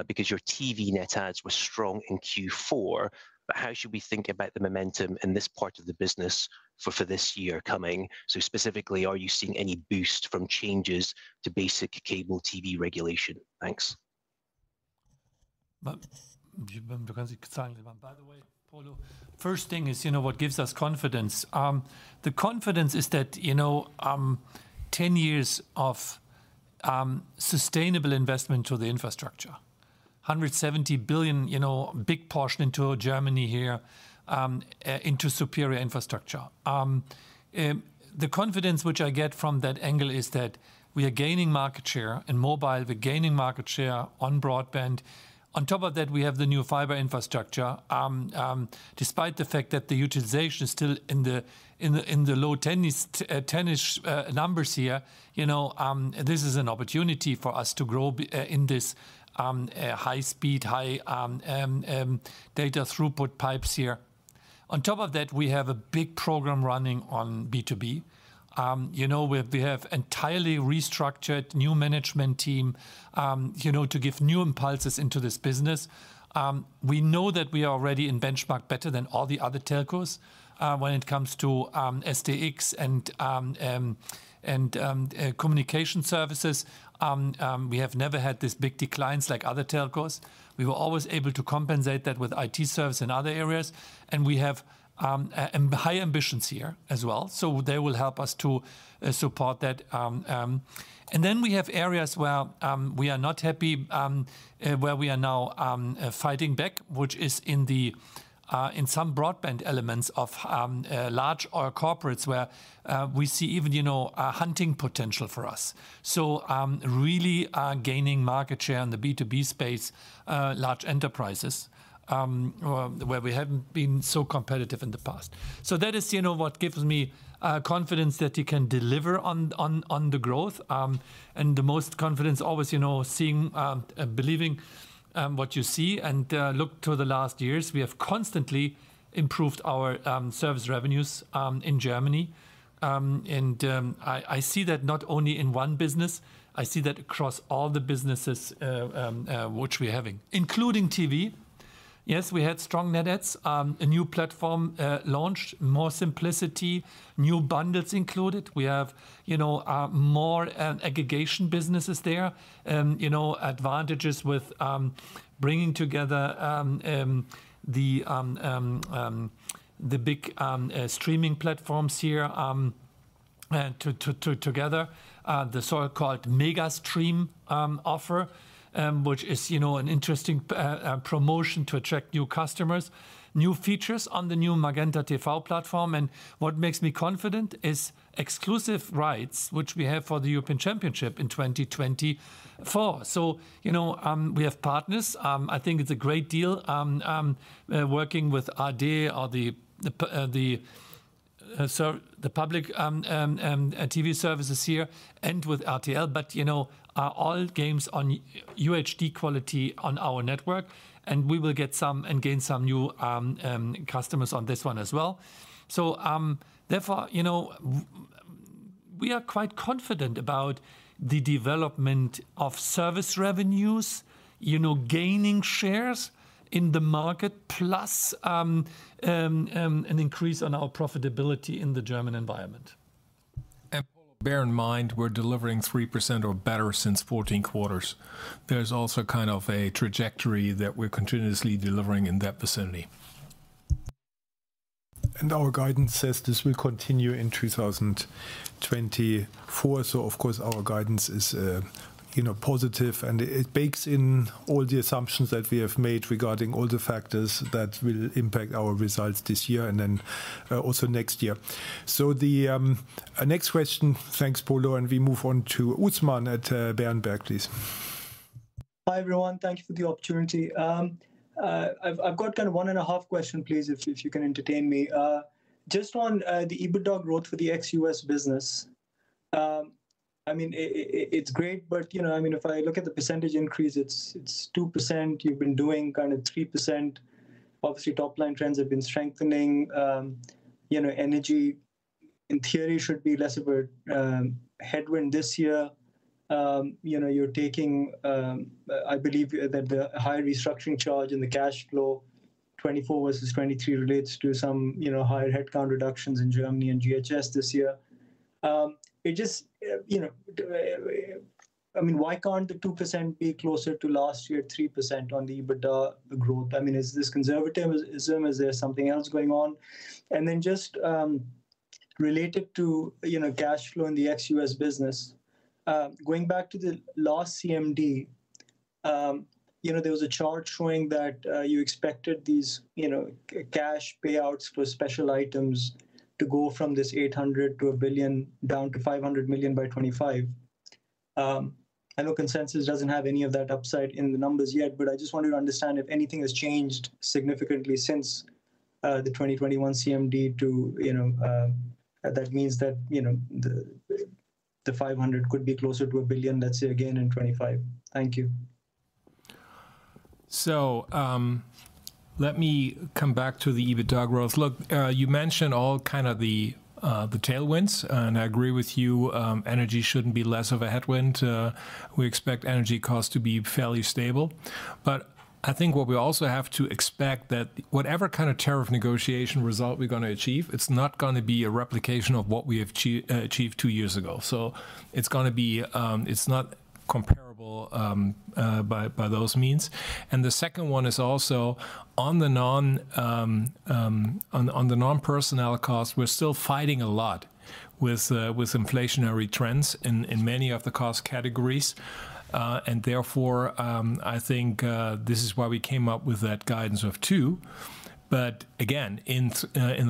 H: because your TV net ads were strong in Q4. But how should we think about the momentum in this part of the business for, for this year coming? So specifically, are you seeing any boost from changes to basic cable TV regulation? Thanks.
B: By the way, Polo, first thing is, you know, what gives us confidence? The confidence is that, you know, 10 years of sustainable investment to the infrastructure, 170 billion, you know, big portion into Germany here, into superior infrastructure. The confidence which I get from that angle is that we are gaining market share in mobile. We're gaining market share on broadband. On top of that, we have the new fiber infrastructure. Despite the fact that the utilization is still in the low 10-ish numbers here, you know, this is an opportunity for us to grow in this high-speed, high-data throughput pipes here. On top of that, we have a big program running on B2B. You know, we have entirely restructured new management team, you know, to give new impulses into this business. We know that we are already in benchmark better than all the other telcos, when it comes to SDx and communication services. We have never had these big declines like other telcos. We were always able to compensate that with IT services in other areas. We have high ambitions here as well. So they will help us to support that. And then we have areas where we are not happy, where we are now fighting back, which is in the in some broadband elements of large oil corporates where we see even, you know, hunting potential for us. So really gaining market share in the B2B space, large enterprises, where we haven't been so competitive in the past. So that is, you know, what gives me confidence that you can deliver on on on the growth. And the most confidence always, you know, seeing believing what you see. And look to the last years. We have constantly improved our service revenues in Germany. And I see that not only in one business. I see that across all the businesses which we're having, including TV. Yes, we had strong net adds. A new platform launched, more simplicity, new bundles included. We have, you know, more aggregation businesses there, you know, advantages with bringing together the big streaming platforms here to together the so-called MegaStream offer, which is, you know, an interesting promotion to attract new customers, new features on the new MagentaTV platform. And what makes me confident is exclusive rights, which we have for the European Championship in 2024. So, you know, we have partners. I think it's a great deal, working with ARD or the public TV services here and with RTL. But, you know, are all games on UHD quality on our network. And we will get some and gain some new customers on this one as well. So, therefore, you know, we are quite confident about the development of service revenues, you know, gaining shares in the market plus an increase on our profitability in the German environment.
C: And Polo, bear in mind, we're delivering 3% or better since 14 quarters. There's also kind of a trajectory that we're continuously delivering in that vicinity.
A: And our guidance says this will continue in 2024. So, of course, our guidance is, you know, positive. And it bakes in all the assumptions that we have made regarding all the factors that will impact our results this year and then, also next year. So the next question. Thanks, Polo. And we move on to Usman at Berenberg, please.
I: Hi, everyone. Thank you for the opportunity. I've got kind of one and a half questions, please, if you can entertain me. Just on the EBITDA growth for the ex-U.S. business. I mean, it's great. But, you know, I mean, if I look at the percentage increase, it's 2%. You've been doing kind of 3%. Obviously, top-line trends have been strengthening. You know, energy, in theory, should be less of a headwind this year. You know, you're taking, I believe, that the higher restructuring charge in the cash flow, 2024 versus 2023, relates to some, you know, higher headcount reductions in Germany and GHS this year. It just, you know, I mean, why can't the 2% be closer to last year, 3% on the EBITDA growth? I mean, is this conservatism? Is there something else going on? And then just, related to, you know, cash flow in the ex-U.S. business, going back to the last CMD, you know, there was a chart showing that, you expected these, you know, cash payouts for special items to go from this 800 million to a billion down to 500 million by 2025. I know consensus doesn't have any of that upside in the numbers yet, but I just wanted to understand if anything has changed significantly since the 2021 CMD to, you know, that means that, you know, the 500 million could be closer to 1 billion, let's say, again in 2025. Thank you.
C: So, let me come back to the EBITDA growth. Look, you mentioned all kind of the tailwinds. And I agree with you. Energy shouldn't be less of a headwind. We expect energy costs to be fairly stable. But I think what we also have to expect that whatever kind of tariff negotiation result we're going to achieve, it's not going to be a replication of what we achieved, achieved two years ago. So it's going to be, it's not comparable, by those means. And the second one is also on the non-personnel cost. We're still fighting a lot with inflationary trends in many of the cost categories. And therefore, I think this is why we came up with that guidance of two. But again, in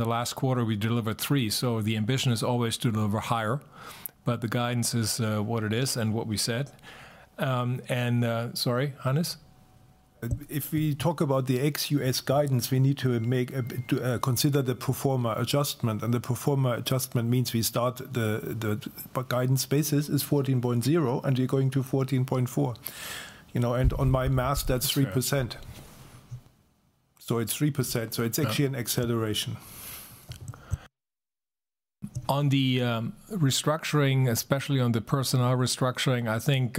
C: the last quarter, we delivered three. So the ambition is always to deliver higher. But the guidance is what it is and what we said. And, sorry, Hannes?
A: If we talk about the ex-U.S. guidance, we need to consider the pro forma adjustment. And the pro forma adjustment means we start. The guidance basis is 14.0, and you're going to 14.4, you know? And on my math, that's 3%. So it's 3%. So it's actually an acceleration.
C: On the restructuring, especially on the personnel restructuring, I think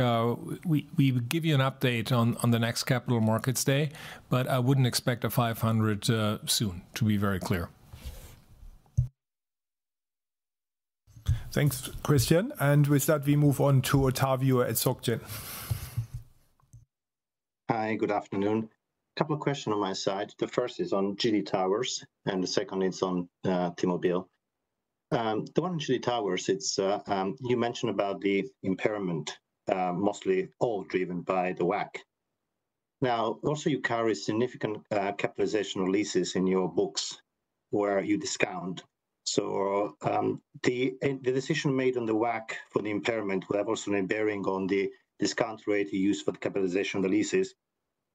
C: we will give you an update on the next Capital Markets Day. But I wouldn't expect a 500, soon, to be very clear.
A: Thanks, Christian. And with that, we move on to Ottavio at SocGen.
J: Hi. Good afternoon. Couple of questions on my side. The first is on GD Towers. And the second is on T-Mobile. The one on GD Towers, it's you mentioned about the impairment, mostly all driven by the WACC. Now, also, you carry significant capitalization releases in your books where you discount. So, the decision made on the WACC for the impairment will have also been bearing on the discount rate you use for the capitalization of the leases,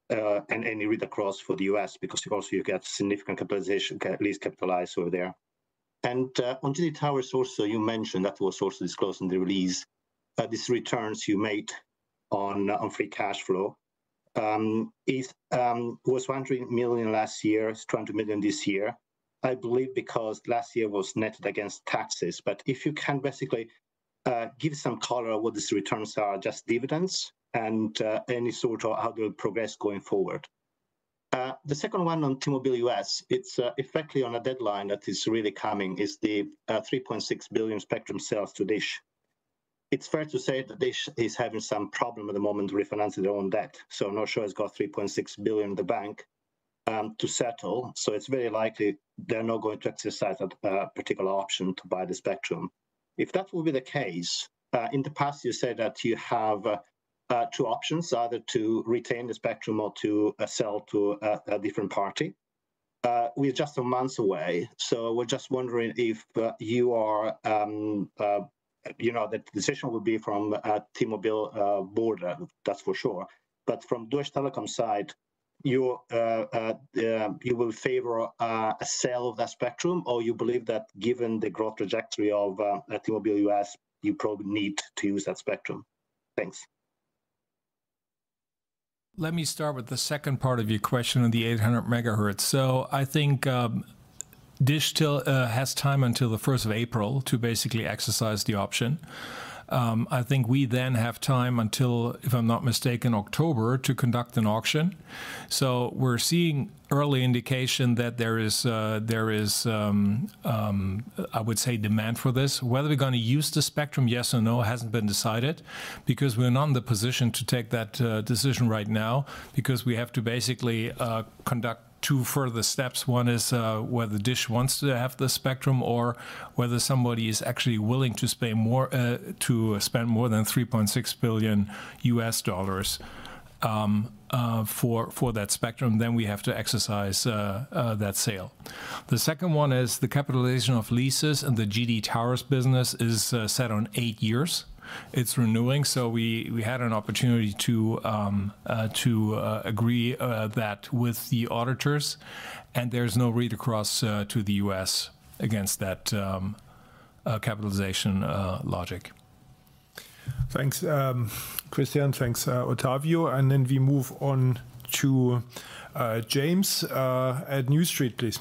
J: and any read across for the U.S. because you also you get significant capitalization lease capitalized over there. And on GD Towers also, you mentioned that was also disclosed in the release, these returns you made on free cash flow. It was $100 million last year, $200 million this year, I believe, because last year was netted against taxes. But if you can basically give some color of what these returns are, just dividends and any sort of how they'll progress going forward. The second one on T-Mobile U.S., it's effectively on a deadline that is really coming, is the $3.6 billion spectrum sales to DISH. It's fair to say that DISH is having some problem at the moment refinancing their own debt. So I'm not sure it's got $3.6 billion in the bank to settle. So it's very likely they're not going to exercise that particular option to buy the spectrum. If that will be the case, in the past you said that you have two options, either to retain the spectrum or to sell to a different party. We're just a month away. So we're just wondering if you know that decision will be from T-Mobile board, that's for sure. But from Deutsche Telekom side, you will favor a sale of that spectrum, or you believe that given the growth trajectory of T-Mobile U.S., you probably need to use that spectrum. Thanks.
C: Let me start with the second part of your question on the 800 megahertz. So I think DISH still has time until the 1st of April to basically exercise the option. I think we then have time until, if I'm not mistaken, October, to conduct an auction. So we're seeing early indication that there is demand for this. Whether we're going to use the spectrum, yes or no, hasn't been decided because we're not in the position to take that decision right now because we have to basically conduct two further steps. One is whether DISH wants to have the spectrum or whether somebody is actually willing to spend more, to spend more than $3.6 billion for that spectrum. Then we have to exercise that sale. The second one is the capitalization of leases and the GD Towers business is set on eight years. It's renewing. So we had an opportunity to agree that with the auditors. And there's no read across to the U.S. against that capitalization logic.
A: Thanks, Christian. Thanks, Ottavio. And then we move on to James at New Street, please.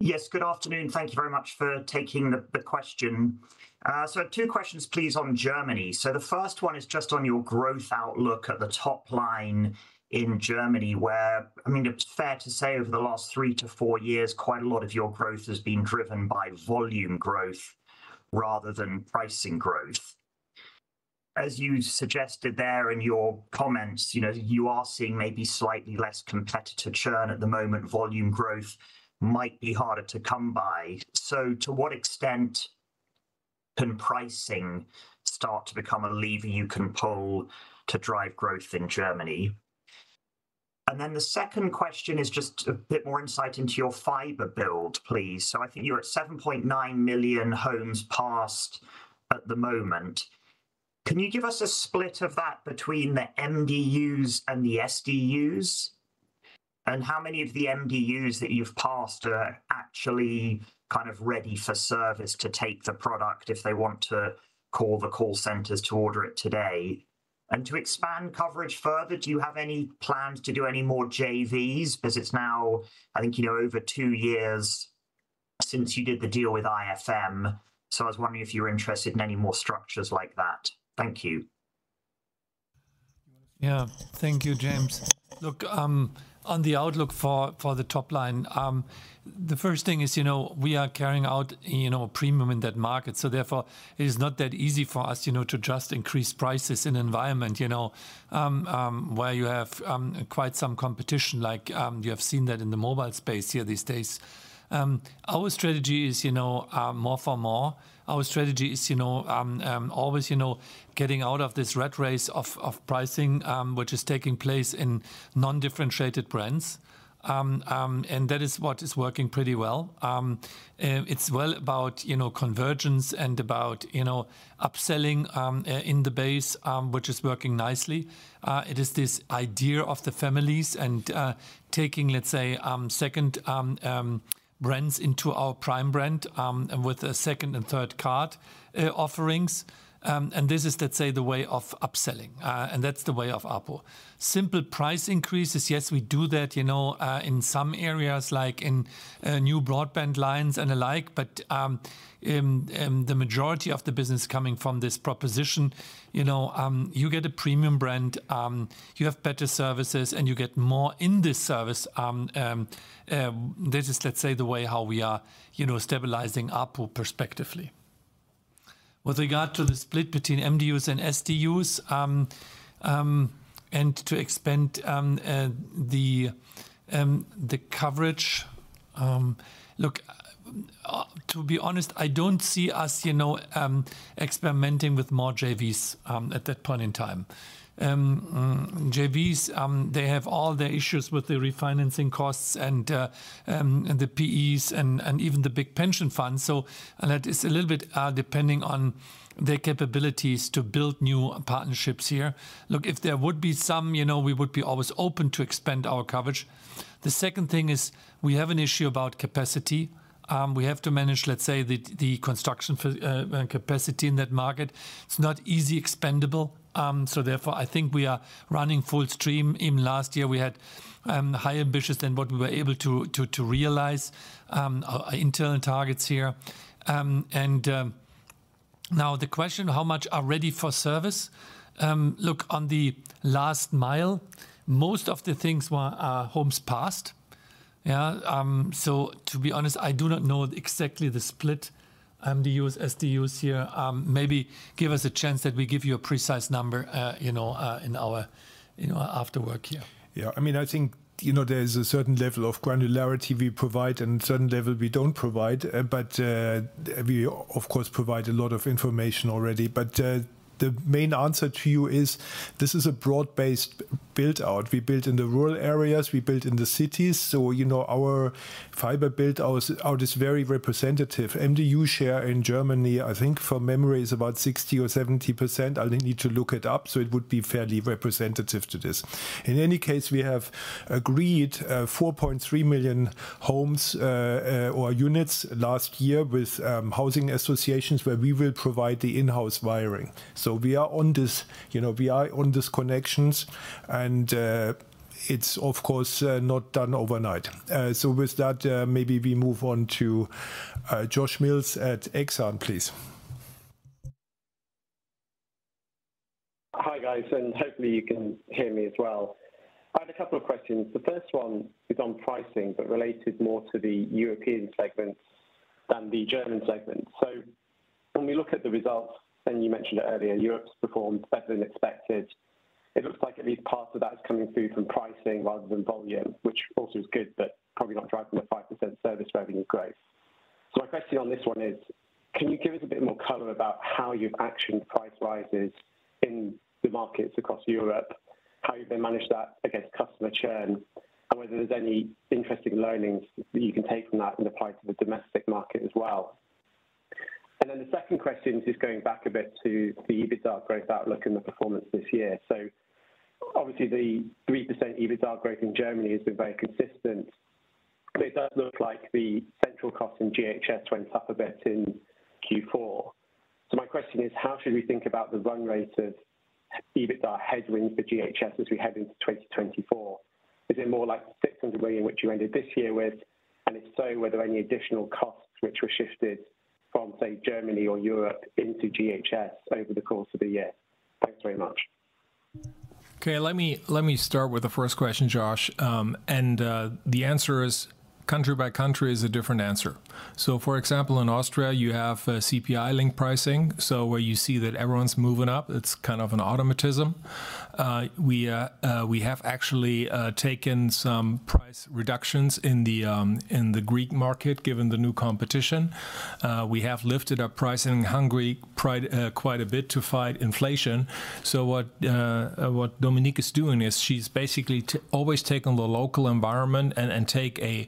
K: Yes. Good afternoon. Thank you very much for taking the question. So I have two questions, please, on Germany. So the first one is just on your growth outlook at the top line in Germany where, I mean, it's fair to say over the last three to four years, quite a lot of your growth has been driven by volume growth rather than pricing growth. As you suggested there in your comments, you know, you are seeing maybe slightly less competitor churn at the moment. Volume growth might be harder to come by. So to what extent can pricing start to become a lever you can pull to drive growth in Germany? And then the second question is just a bit more insight into your fiber build, please. So I think you're at 7.9 million homes passed at the moment. Can you give us a split of that between the MDUs and the SDUs? And how many of the MDUs that you've passed are actually kind of ready for service to take the product if they want to call the call centers to order it today? And to expand coverage further, do you have any plans to do any more JVs because it's now, I think, you know, over two years since you did the deal with IFM? So I was wondering if you were interested in any more structures like that. Thank you. Do you want to?
B: Yeah. Thank you, James. Look, on the outlook for, for the top line, the first thing is, you know, we are carrying out, you know, a premium in that market. So therefore, it is not that easy for us, you know, to just increase prices in an environment, you know, where you have quite some competition. Like, you have seen that in the mobile space here these days. Our strategy is, you know, more for more. Our strategy is, you know, always, you know, getting out of this rat race of pricing, which is taking place in non-differentiated brands. And that is what is working pretty well. It's all about, you know, convergence and about, you know, upselling in the base, which is working nicely. It is this idea of the families and taking, let's say, second brands into our prime brand, with second- and third-card offerings. And this is, let's say, the way of upselling. And that's the way of ARPU. Simple price increases, yes, we do that, you know, in some areas like in new broadband lines and the like. But the majority of the business coming from this proposition, you know, you get a premium brand, you have better services, and you get more in this service. This is, let's say, the way how we are, you know, stabilizing ARPU perspectively. With regard to the split between MDUs and SDUs, and to expand the coverage, look, to be honest, I don't see us, you know, experimenting with more JVs, at that point in time. JVs, they have all their issues with the refinancing costs and the PEs and even the big pension funds. So that is a little bit, depending on their capabilities to build new partnerships here. Look, if there would be some, you know, we would be always open to expand our coverage. The second thing is we have an issue about capacity. We have to manage, let's say, the construction for capacity in that market. It's not easy expandable. So therefore, I think we are running full stream. Even last year, we had higher ambitions than what we were able to realize, our internal targets here. Now the question, how much are ready for service? Look, on the last mile, most of the things were homes passed. Yeah. So to be honest, I do not know exactly the split, the MDUs, SDUs here. Maybe give us a chance that we give you a precise number, you know, in our, you know, after work here.
A: Yeah. I mean, I think, you know, there's a certain level of granularity we provide and a certain level we don't provide. But we, of course, provide a lot of information already. But the main answer to you is this is a broad-based buildout. We build in the rural areas. We build in the cities. So, you know, our fiber buildout is very representative. MDU share in Germany, I think, from memory, is about 60% or 70%. I'll need to look it up. So it would be fairly representative to this. In any case, we have agreed, 4.3 million homes, or units last year with housing associations where we will provide the in-house wiring. So we are on this, you know, we are on these connections. And it's, of course, not done overnight. So with that, maybe we move on to Josh Mills at Exane, please.
L: Hi, guys. Hopefully, you can hear me as well. I had a couple of questions. The first one is on pricing, but related more to the European segment than the German segment. So when we look at the results, and you mentioned it earlier, Europe's performed better than expected. It looks like at least part of that is coming through from pricing rather than volume, which also is good, but probably not driving the 5% service revenue growth. So my question on this one is, can you give us a bit more color about how you've actioned price rises in the markets across Europe, how you've then managed that against customer churn, and whether there's any interesting learnings that you can take from that and apply to the domestic market as well? And then the second question is just going back a bit to the EBITDA growth outlook and the performance this year. So obviously, the 3% EBITDA growth in Germany has been very consistent. But it does look like the central cost in GHS went up a bit in Q4. So my question is, how should we think about the run rate of EBITDA headwinds for GHS as we head into 2024? Is it more like the 600 million which you ended this year with? And if so, were there any additional costs which were shifted from, say, Germany or Europe into GHS over the course of the year? Thanks very much.
C: Okay. Let me, let me start with the first question, Josh. The answer is country by country is a different answer. So for example, in Austria, you have CPI-linked pricing, so where you see that everyone's moving up, it's kind of an automatism. We have actually taken some price reductions in the Greek market given the new competition. We have lifted up pricing in Hungary, quite a bit to fight inflation. So what Dominique is doing is she's basically always taken the local environment and taken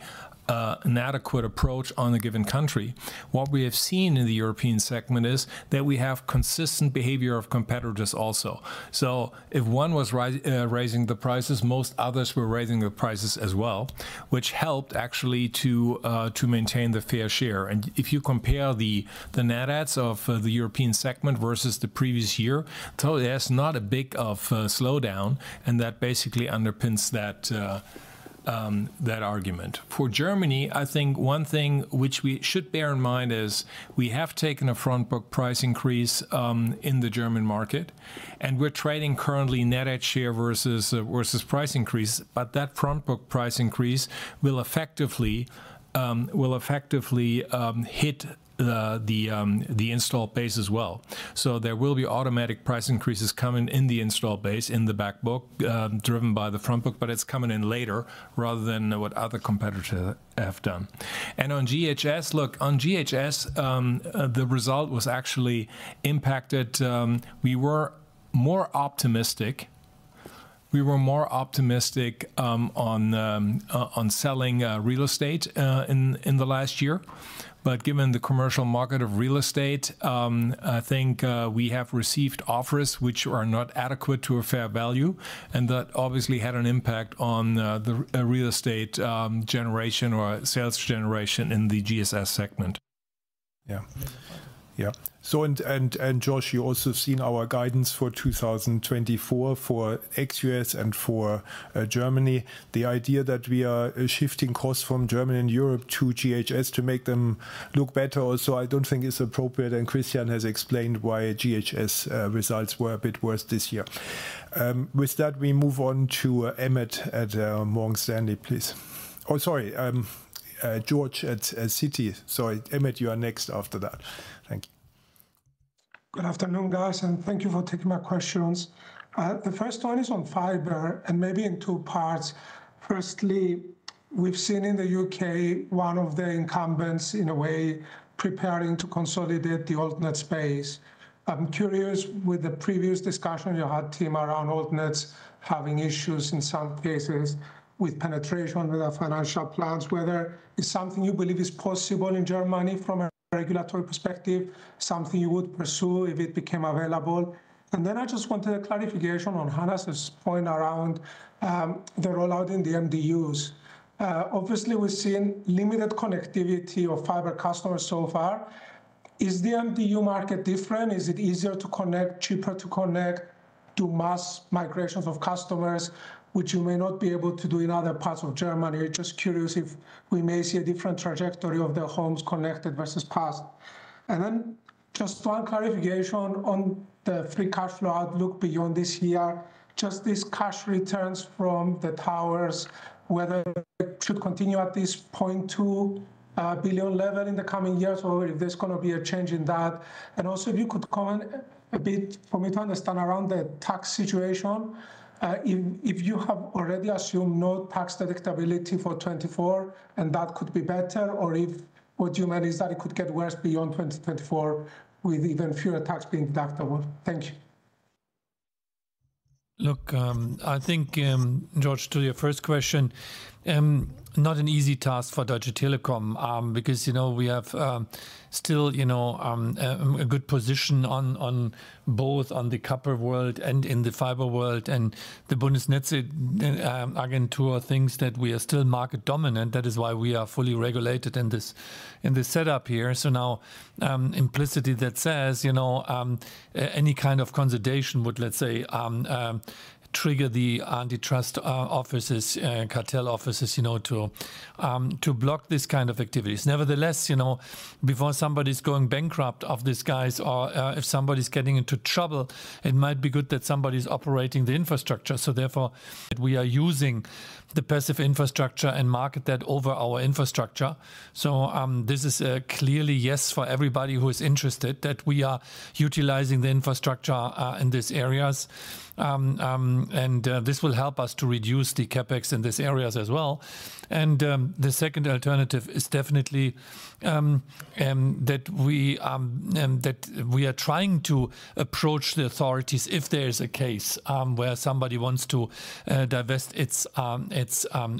C: an adequate approach on a given country. What we have seen in the European segment is that we have consistent behavior of competitors also. So if one was raising the prices, most others were raising the prices as well, which helped actually to maintain the fair share. And if you compare the net adds of the European segment versus the previous year, it's not that big of a slowdown. And that basically underpins that argument. For Germany, I think one thing which we should bear in mind is we have taken a front-book price increase in the German market. And we're trading currently net add share versus price increase. But that front-book price increase will effectively hit the installed base as well. So there will be automatic price increases coming in the install base in the back book, driven by the front book. But it's coming in later rather than what other competitors have done. And on GHS, look, on GHS, the result was actually impacted. We were more optimistic. We were more optimistic on selling real estate in the last year. But given the commercial market of real estate, I think we have received offers which are not adequate to a fair value. And that obviously had an impact on the real estate generation or sales generation in the GHS segment.
A: Yeah. Yeah. So, Josh, you also have seen our guidance for 2024 for U.S. and for Germany. The idea that we are shifting costs from Germany and Europe to GHS to make them look better also, I don't think is appropriate. Christian has explained why group's results were a bit worse this year. With that, we move on to Emmet at Morgan Stanley, please. Oh, sorry. George at Citi. Sorry. Emmet, you are next after that. Thank you.
M: Good afternoon, guys. And thank you for taking my questions. The first one is on fiber and maybe in two parts. Firstly, we've seen in the UK one of the incumbents, in a way, preparing to consolidate the alternate space. I'm curious, with the previous discussion you had, Tim, around alternates having issues in some cases with penetration with their financial plans, whether it's something you believe is possible in Germany from a regulatory perspective, something you would pursue if it became available. And then I just wanted a clarification on Hannes's point around the rollout in the MDUs. Obviously, we've seen limited connectivity of fiber customers so far. Is the MDU market different? Is it easier to connect, cheaper to connect, do mass migrations of customers, which you may not be able to do in other parts of Germany? I'm just curious if we may see a different trajectory of the homes connected versus passed. And then just one clarification on the free cash flow outlook beyond this year, just these cash returns from the towers, whether it should continue at this 0.2 billion level in the coming years or if there's going to be a change in that. And also if you could comment a bit for me to understand around the tax situation, if, if you have already assumed no tax deductibility for 2024 and that could be better, or if what you meant is that it could get worse beyond 2024 with even fewer tax being deductible. Thank you.
B: Look, I think, Josh, to your first question, not an easy task for Deutsche Telekom, because, you know, we have, still, you know, a good position on, on both on the copper world and in the fiber world. And the Bundesnetzagentur thinks that we are still market dominant. That is why we are fully regulated in this, in this setup here. So now, implicitly that says, you know, any kind of consolidation would, let's say, trigger the antitrust, offices, cartel offices, you know, to, to block this kind of activities. Nevertheless, you know, before somebody's going bankrupt of these guys or, if somebody's getting into trouble, it might be good that somebody's operating the infrastructure. So therefore, we are using the passive infrastructure and market that over our infrastructure. So, this is a clearly yes for everybody who is interested that we are utilizing the infrastructure, in these areas. And this will help us to reduce the CapEx in these areas as well. And the second alternative is definitely that we are trying to approach the authorities if there is a case where somebody wants to divest its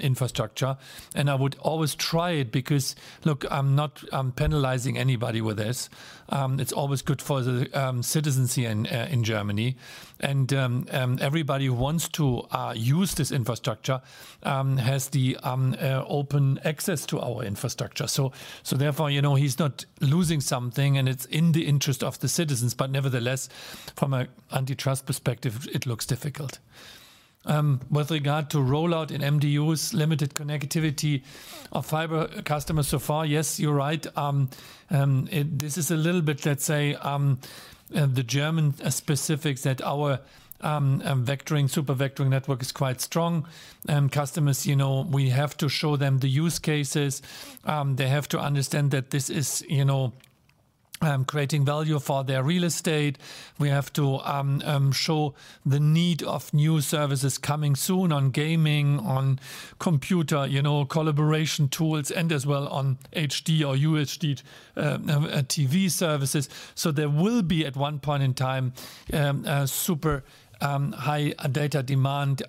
B: infrastructure. And I would always try it because, look, I'm not penalizing anybody with this. It's always good for the citizens here in Germany. And everybody who wants to use this infrastructure has open access to our infrastructure. So therefore, you know, he's not losing something, and it's in the interest of the citizens. But nevertheless, from an antitrust perspective, it looks difficult. With regard to rollout in MDUs, limited connectivity of fiber customers so far, yes, you're right. This is a little bit, let's say, the German specifics that our vectoring, super vectoring network is quite strong. Customers, you know, we have to show them the use cases. They have to understand that this is, you know, creating value for their real estate. We have to show the need of new services coming soon on gaming, on computer, you know, collaboration tools, and as well on HD or UHD TV services. So there will be at one point in time super high data demand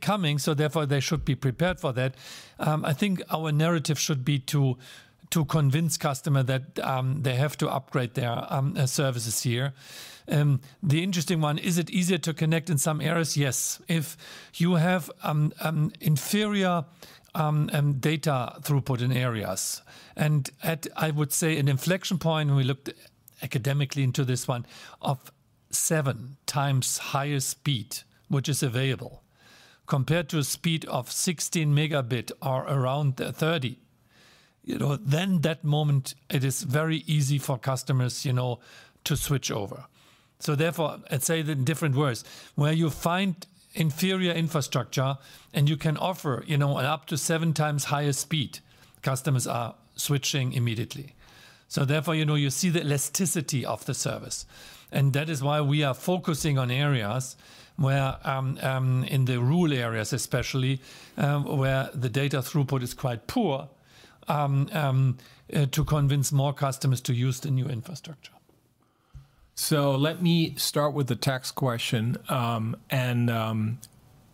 B: coming. So therefore, they should be prepared for that. I think our narrative should be to to convince customer that they have to upgrade their services here. The interesting one, is it easier to connect in some areas? Yes. If you have inferior data throughput in areas and, at I would say, an inflection point, and we looked academically into this one of seven times higher speed, which is available compared to a speed of 16 megabit or around 30, you know, then that moment it is very easy for customers, you know, to switch over. So therefore, I'd say the different words where you find inferior infrastructure and you can offer, you know, an up to seven times higher speed, customers are switching immediately. So therefore, you know, you see the elasticity of the service. And that is why we are focusing on areas where, in the rural areas especially, where the data throughput is quite poor, to convince more customers to use the new infrastructure.
C: So let me start with the tax question. And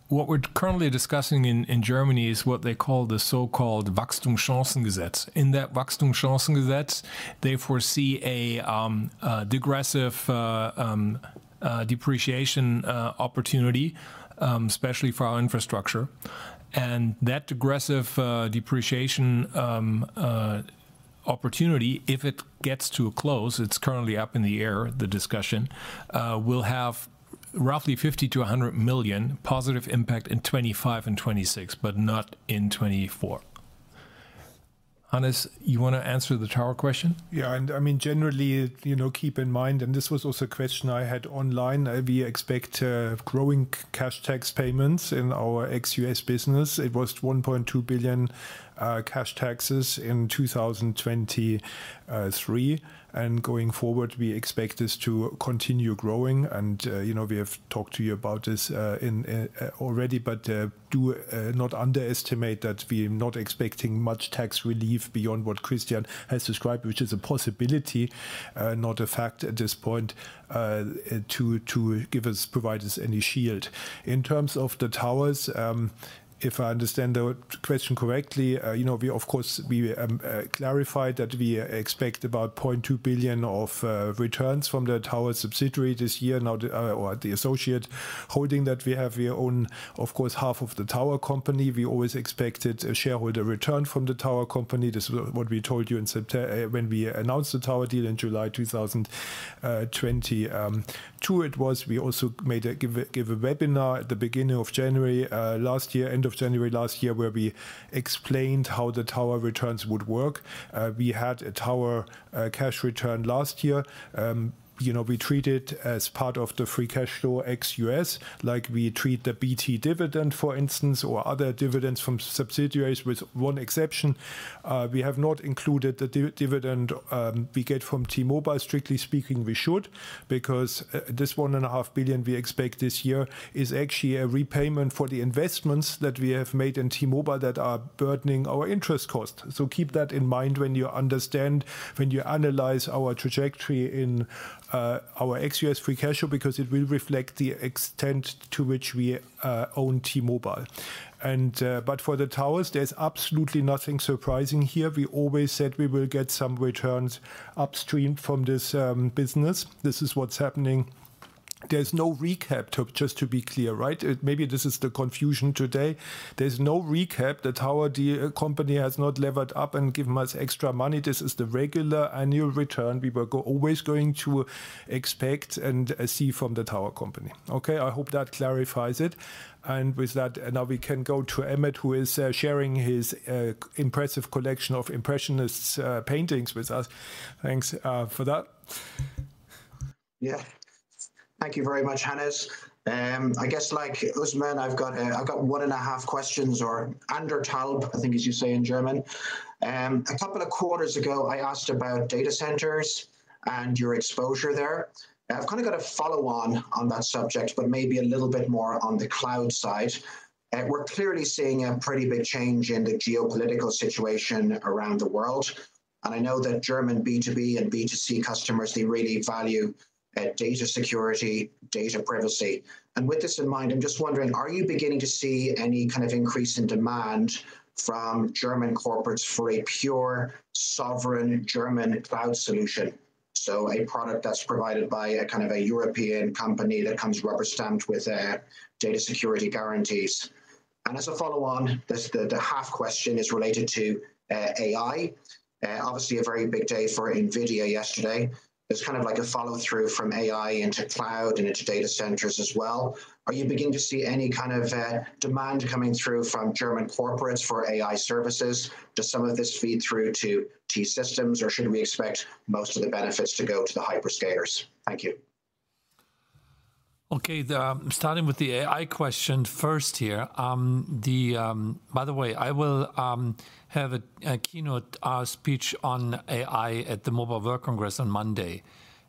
C: what we're currently discussing in Germany is what they call the so-called Wachstumschancengesetz. In that Wachstumschancengesetz, they foresee a degressive depreciation opportunity, especially for our infrastructure. And that degressive depreciation opportunity, if it gets to a close, it's currently up in the air, the discussion, will have roughly 50 million-100 million positive impact in 2025 and 2026, but not in 2024. Hannes, you want to answer the tower question?
A: Yeah. And I mean, generally, you know, keep in mind, and this was also a question I had online, we expect growing cash tax payments in our ex-U.S. business. It was 1.2 billion cash taxes in 2023. And going forward, it expect this to continue growing. You know, we have talked to you about this already, but do not underestimate that we're not expecting much tax relief beyond what Christian has described, which is a possibility, not a fact at this point, to provide us any shield. In terms of the towers, if I understand the question correctly, you know, of course, we clarified that we expect about 0.2 billion of returns from the tower subsidiary this year, or the associate holding that we have. We own, of course, half of the tower company. We always expected a shareholder return from the tower company. This is what we told you in September, when we announced the tower deal in July 2022. It was. We also gave a webinar at the beginning of January last year, end of January last year, where we explained how the tower returns would work. We had a tower cash return last year. You know, we treat it as part of the free cash flow ex-U.S. like we treat the BT dividend, for instance, or other dividends from subsidiaries with one exception. We have not included the dividend we get from T-Mobile. Strictly speaking, we should, because this 1.5 billion we expect this year is actually a repayment for the investments that we have made in T-Mobile that are burdening our interest costs. So keep that in mind when you understand, when you analyze our trajectory in our ex-U.S. free cash flow, because it will reflect the extent to which we own T-Mobile. And but for the towers, there's absolutely nothing surprising here. We always said we will get some returns upstream from this business. This is what's happening. There's no recap, just to be clear, right? Maybe this is the confusion today. There's no recap. The tower deal company has not levered up and given us extra money. This is the regular annual return we were always going to expect and see from the tower company. Okay. I hope that clarifies it. And with that, now we can go to Emmet, who is sharing his impressive collection of Impressionist paintings with us. Thanks for that.
N: Yeah. Thank you very much, Hannes. I guess, like Usman, I've got, I've got 1.5 questions or oder halb, I think, as you say in German. A couple of quarters ago, I asked about data centers and your exposure there. I've kind of got a follow-on on that subject, but maybe a little bit more on the cloud side. We're clearly seeing a pretty big change in the geopolitical situation around the world. And I know that German B2B and B2C customers, they really value data security, data privacy. And with this in mind, I'm just wondering, are you beginning to see any kind of increase in demand from German corporates for a pure sovereign German cloud solution? So a product that's provided by a kind of a European company that comes rubber stamped with data security guarantees. And as a follow-on, the half question is related to AI. Obviously, a very big day for NVIDIA yesterday. There's kind of like a follow-through from AI into cloud and into data centers as well. Are you beginning to see any kind of demand coming through from German corporates for AI services? Does some of this feed through to T-Systems, or should we expect most of the benefits to go to the hyperscalers? Thank you.
B: Okay. Starting with the AI question first here, by the way, I will have a keynote speech on AI at the Mobile World Congress on Monday.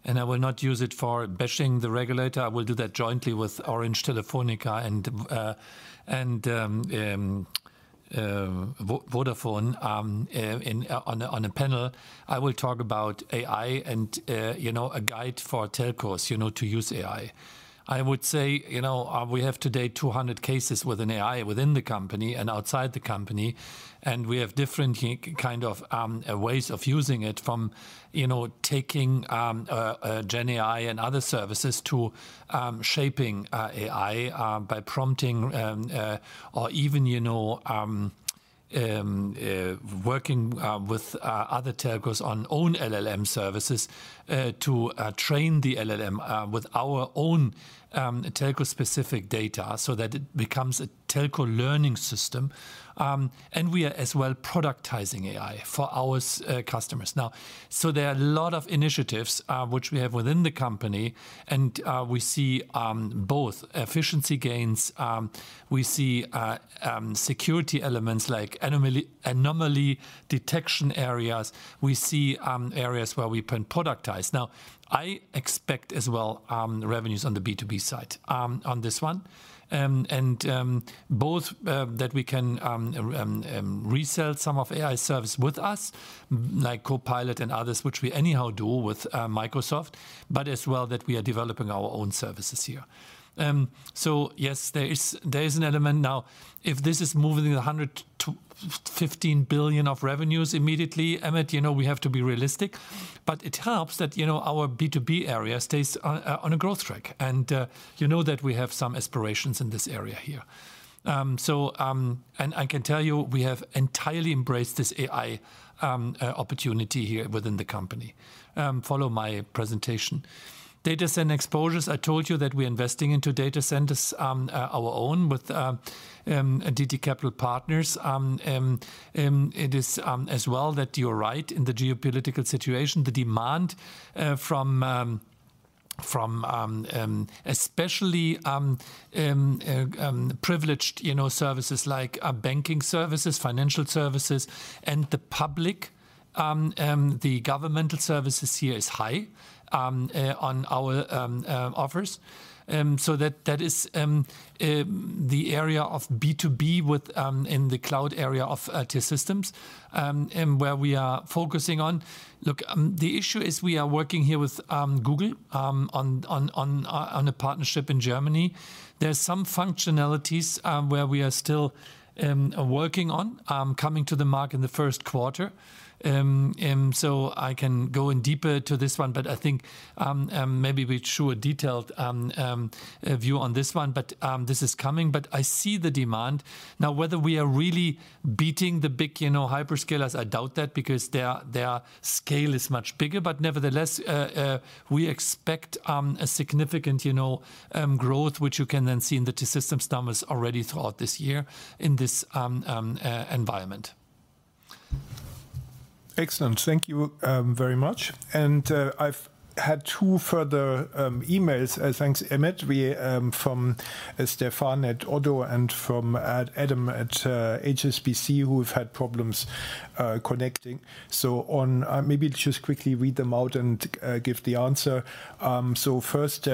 B: And I will not use it for bashing the regulator. I will do that jointly with Orange, Telefónica, and Vodafone on a panel. I will talk about AI and, you know, a guide for telcos, you know, to use AI. I would say, you know, we have today 200 cases within AI within the company and outside the company. And we have different kind of ways of using it from, you know, taking GenAI and other services to shaping AI by prompting or even, you know, working with other telcos on own LLM services to train the LLM with our own telco-specific data so that it becomes a telco learning system. We are as well productizing AI for our customers. Now, so there are a lot of initiatives which we have within the company. We see both efficiency gains. We see security elements like anomaly detection areas. We see areas where we can productize. Now, I expect as well revenues on the B2B side on this one. Both that we can resell some of AI service with us like Copilot and others which we anyhow do with Microsoft but as well that we are developing our own services here. So yes, there is an element. Now, if this is moving 115 billion of revenues immediately, Emmet, you know, we have to be realistic. But it helps that, you know, our B2B area stays on a growth track. And, you know that we have some aspirations in this area here. And I can tell you we have entirely embraced this AI opportunity here within the company. Follow my presentation. Data center exposures. I told you that we're investing into data centers, our own with DT Capital Partners. It is as well that you're right in the geopolitical situation, the demand from, especially privileged, you know, services like banking services, financial services, and the public, the governmental services here is high on our offers. So that is the area of B2B with in the cloud area of T-Systems, where we are focusing on. Look, the issue is we are working here with Google on a partnership in Germany. There's some functionalities where we are still working on coming to the market in the first quarter. So I can go in deeper to this one. But I think maybe we should show a detailed view on this one. But this is coming. But I see the demand. Now, whether we are really beating the big, you know, hyperscalers, I doubt that because their scale is much bigger. But nevertheless, we expect a significant, you know, growth, which you can then see in the T-Systems numbers already throughout this year in this environment.
A: Excellent. Thank you very much. And I've had two further emails. Thanks, Emmet. We from Stephane at Oddo and from Adam at HSBC who have had problems connecting. So, on—maybe just quickly read them out and give the answer. So first,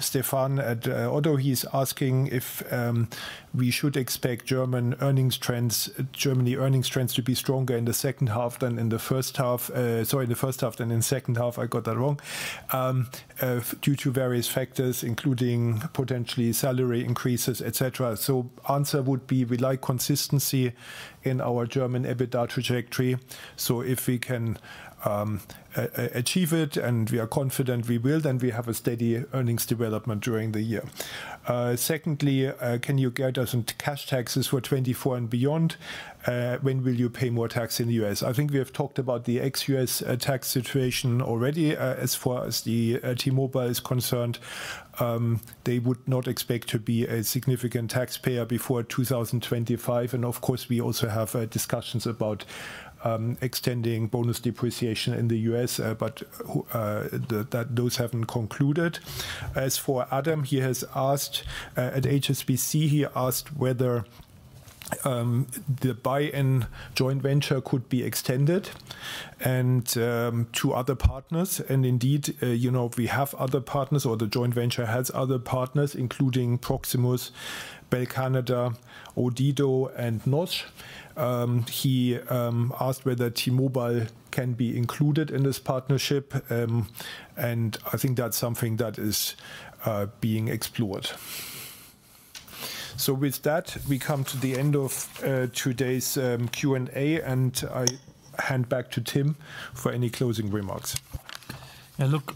A: Stephane at Oddo, he's asking if we should expect German earnings trends, Germany earnings trends to be stronger in the second half than in the first half. Sorry, in the first half than in the second half. I got that wrong, due to various factors, including potentially salary increases, etc. So answer would be we like consistency in our German EBITDA trajectory. So if we can achieve it and we are confident we will, then we have a steady earnings development during the year. Secondly, can you give us the cash taxes for 2024 and beyond? When will you pay more tax in the U.S.? I think we have talked about the ex-U.S. tax situation already. As far as the T-Mobile is concerned, they would not expect to be a significant taxpayer before 2025. And of course, we also have discussions about extending bonus depreciation in the U.S., but those haven't concluded. As for Adam, he has asked at HSBC; he asked whether the BuyIn joint venture could be extended and to other partners. And indeed, you know, we have other partners or the joint venture has other partners, including Proximus, Bell Canada, Odido, and NOS. He asked whether T-Mobile can be included in this partnership, and I think that's something that is being explored. So with that, we come to the end of today's Q&A. And I hand back to Tim for any closing remarks.
B: Yeah. Look,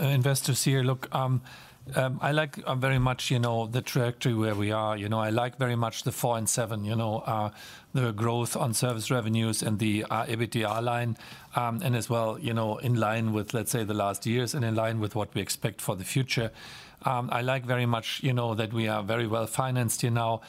B: investors here, look, I like very much, you know, the trajectory where we are. You know, I like very much the four and seven, you know, the growth on service revenues and the, EBITDA line, and as well, you know, in line with, let's say, the last years and in line with what we expect for the future. I like very much, you know, that we are very well financed here now,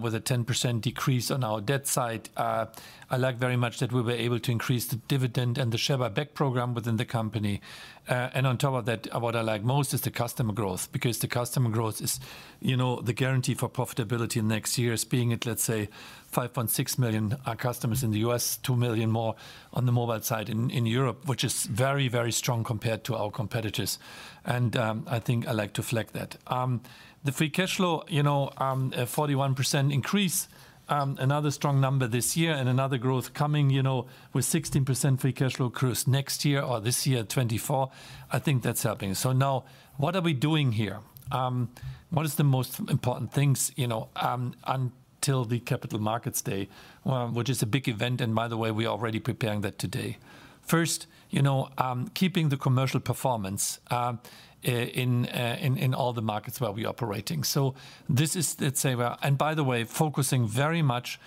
B: with a 10% decrease on our debt side. I like very much that we were able to increase the dividend and the share buyback program within the company. And on top of that, what I like most is the customer growth, because the customer growth is, you know, the guarantee for profitability next year is being it, let's say, 5.6 million our customers in the U.S., 2 million more on the mobile side in, in Europe, which is very, very strong compared to our competitors. I think I like to flag that. The free cash flow, you know, a 41% increase, another strong number this year and another growth coming, you know, with 16% free cash flow next year or this year, 2024. I think that's helping. So now what are we doing here? What is the most important things, you know, until the Capital Markets Day, which is a big event. And by the way, we are already preparing that today. First, you know, keeping the commercial performance, in, in, in all the markets where we are operating. So this is, let's say, where and by the way, focusing very much,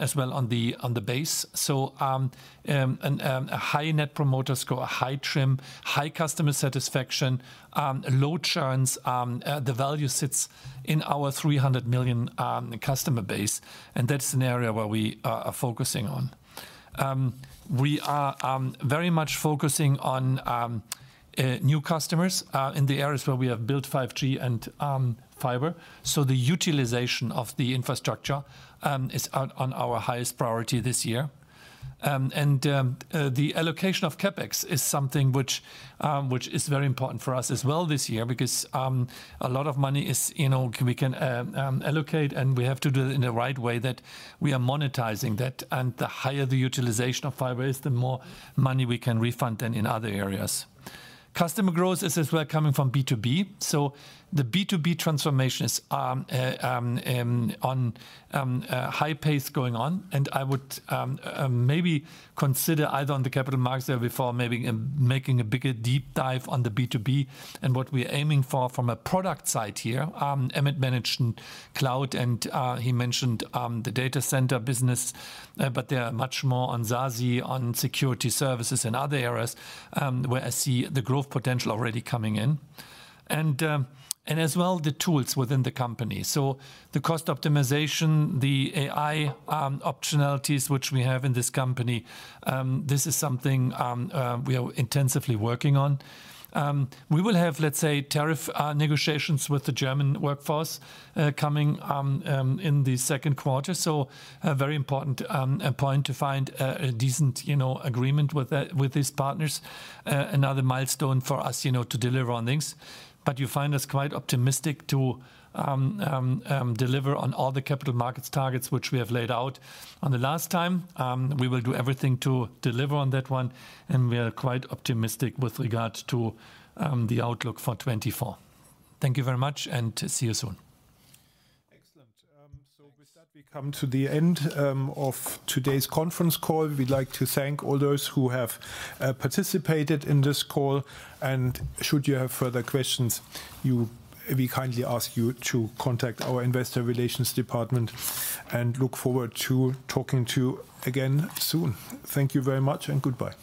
B: as well on the, on the base. So, and, a high net promoter score, a high trim, high customer satisfaction, low churn. The value sits in our 300 million, customer base. And that's an area where we, are focusing on. We are very much focusing on new customers in the areas where we have built 5G and fiber. So the utilization of the infrastructure is out on our highest priority this year. The allocation of CapEx is something which is very important for us as well this year, because a lot of money is, you know, we can allocate, and we have to do it in the right way that we are monetizing that. The higher the utilization of fiber is, the more money we can refund than in other areas. Customer growth is as well coming from B2B. So the B2B transformation is on high pace going on. I would maybe consider either on the capital markets there before maybe making a bigger deep dive on the B2B and what we are aiming for from a product side here. Emmet managed cloud, and he mentioned the data center business, but they are much more on SASE, on security services and other areas, where I see the growth potential already coming in. And as well the tools within the company. So the cost optimization, the AI, optionalities which we have in this company, this is something we are intensively working on. We will have, let's say, tariff negotiations with the German workforce coming in the second quarter. So a very important point to find a decent, you know, agreement with that with these partners, another milestone for us, you know, to deliver on things. But you find us quite optimistic to deliver on all the capital markets targets which we have laid out on the last time. We will do everything to deliver on that one. And we are quite optimistic with regard to the outlook for 2024. Thank you very much, and see you soon.
A: Excellent. So with that, we come to the end of today's conference call. We'd like to thank all those who have participated in this call. Should you have further questions, we kindly ask you to contact our Investor Relations Department and look forward to talking to you again soon. Thank you very much, and goodbye.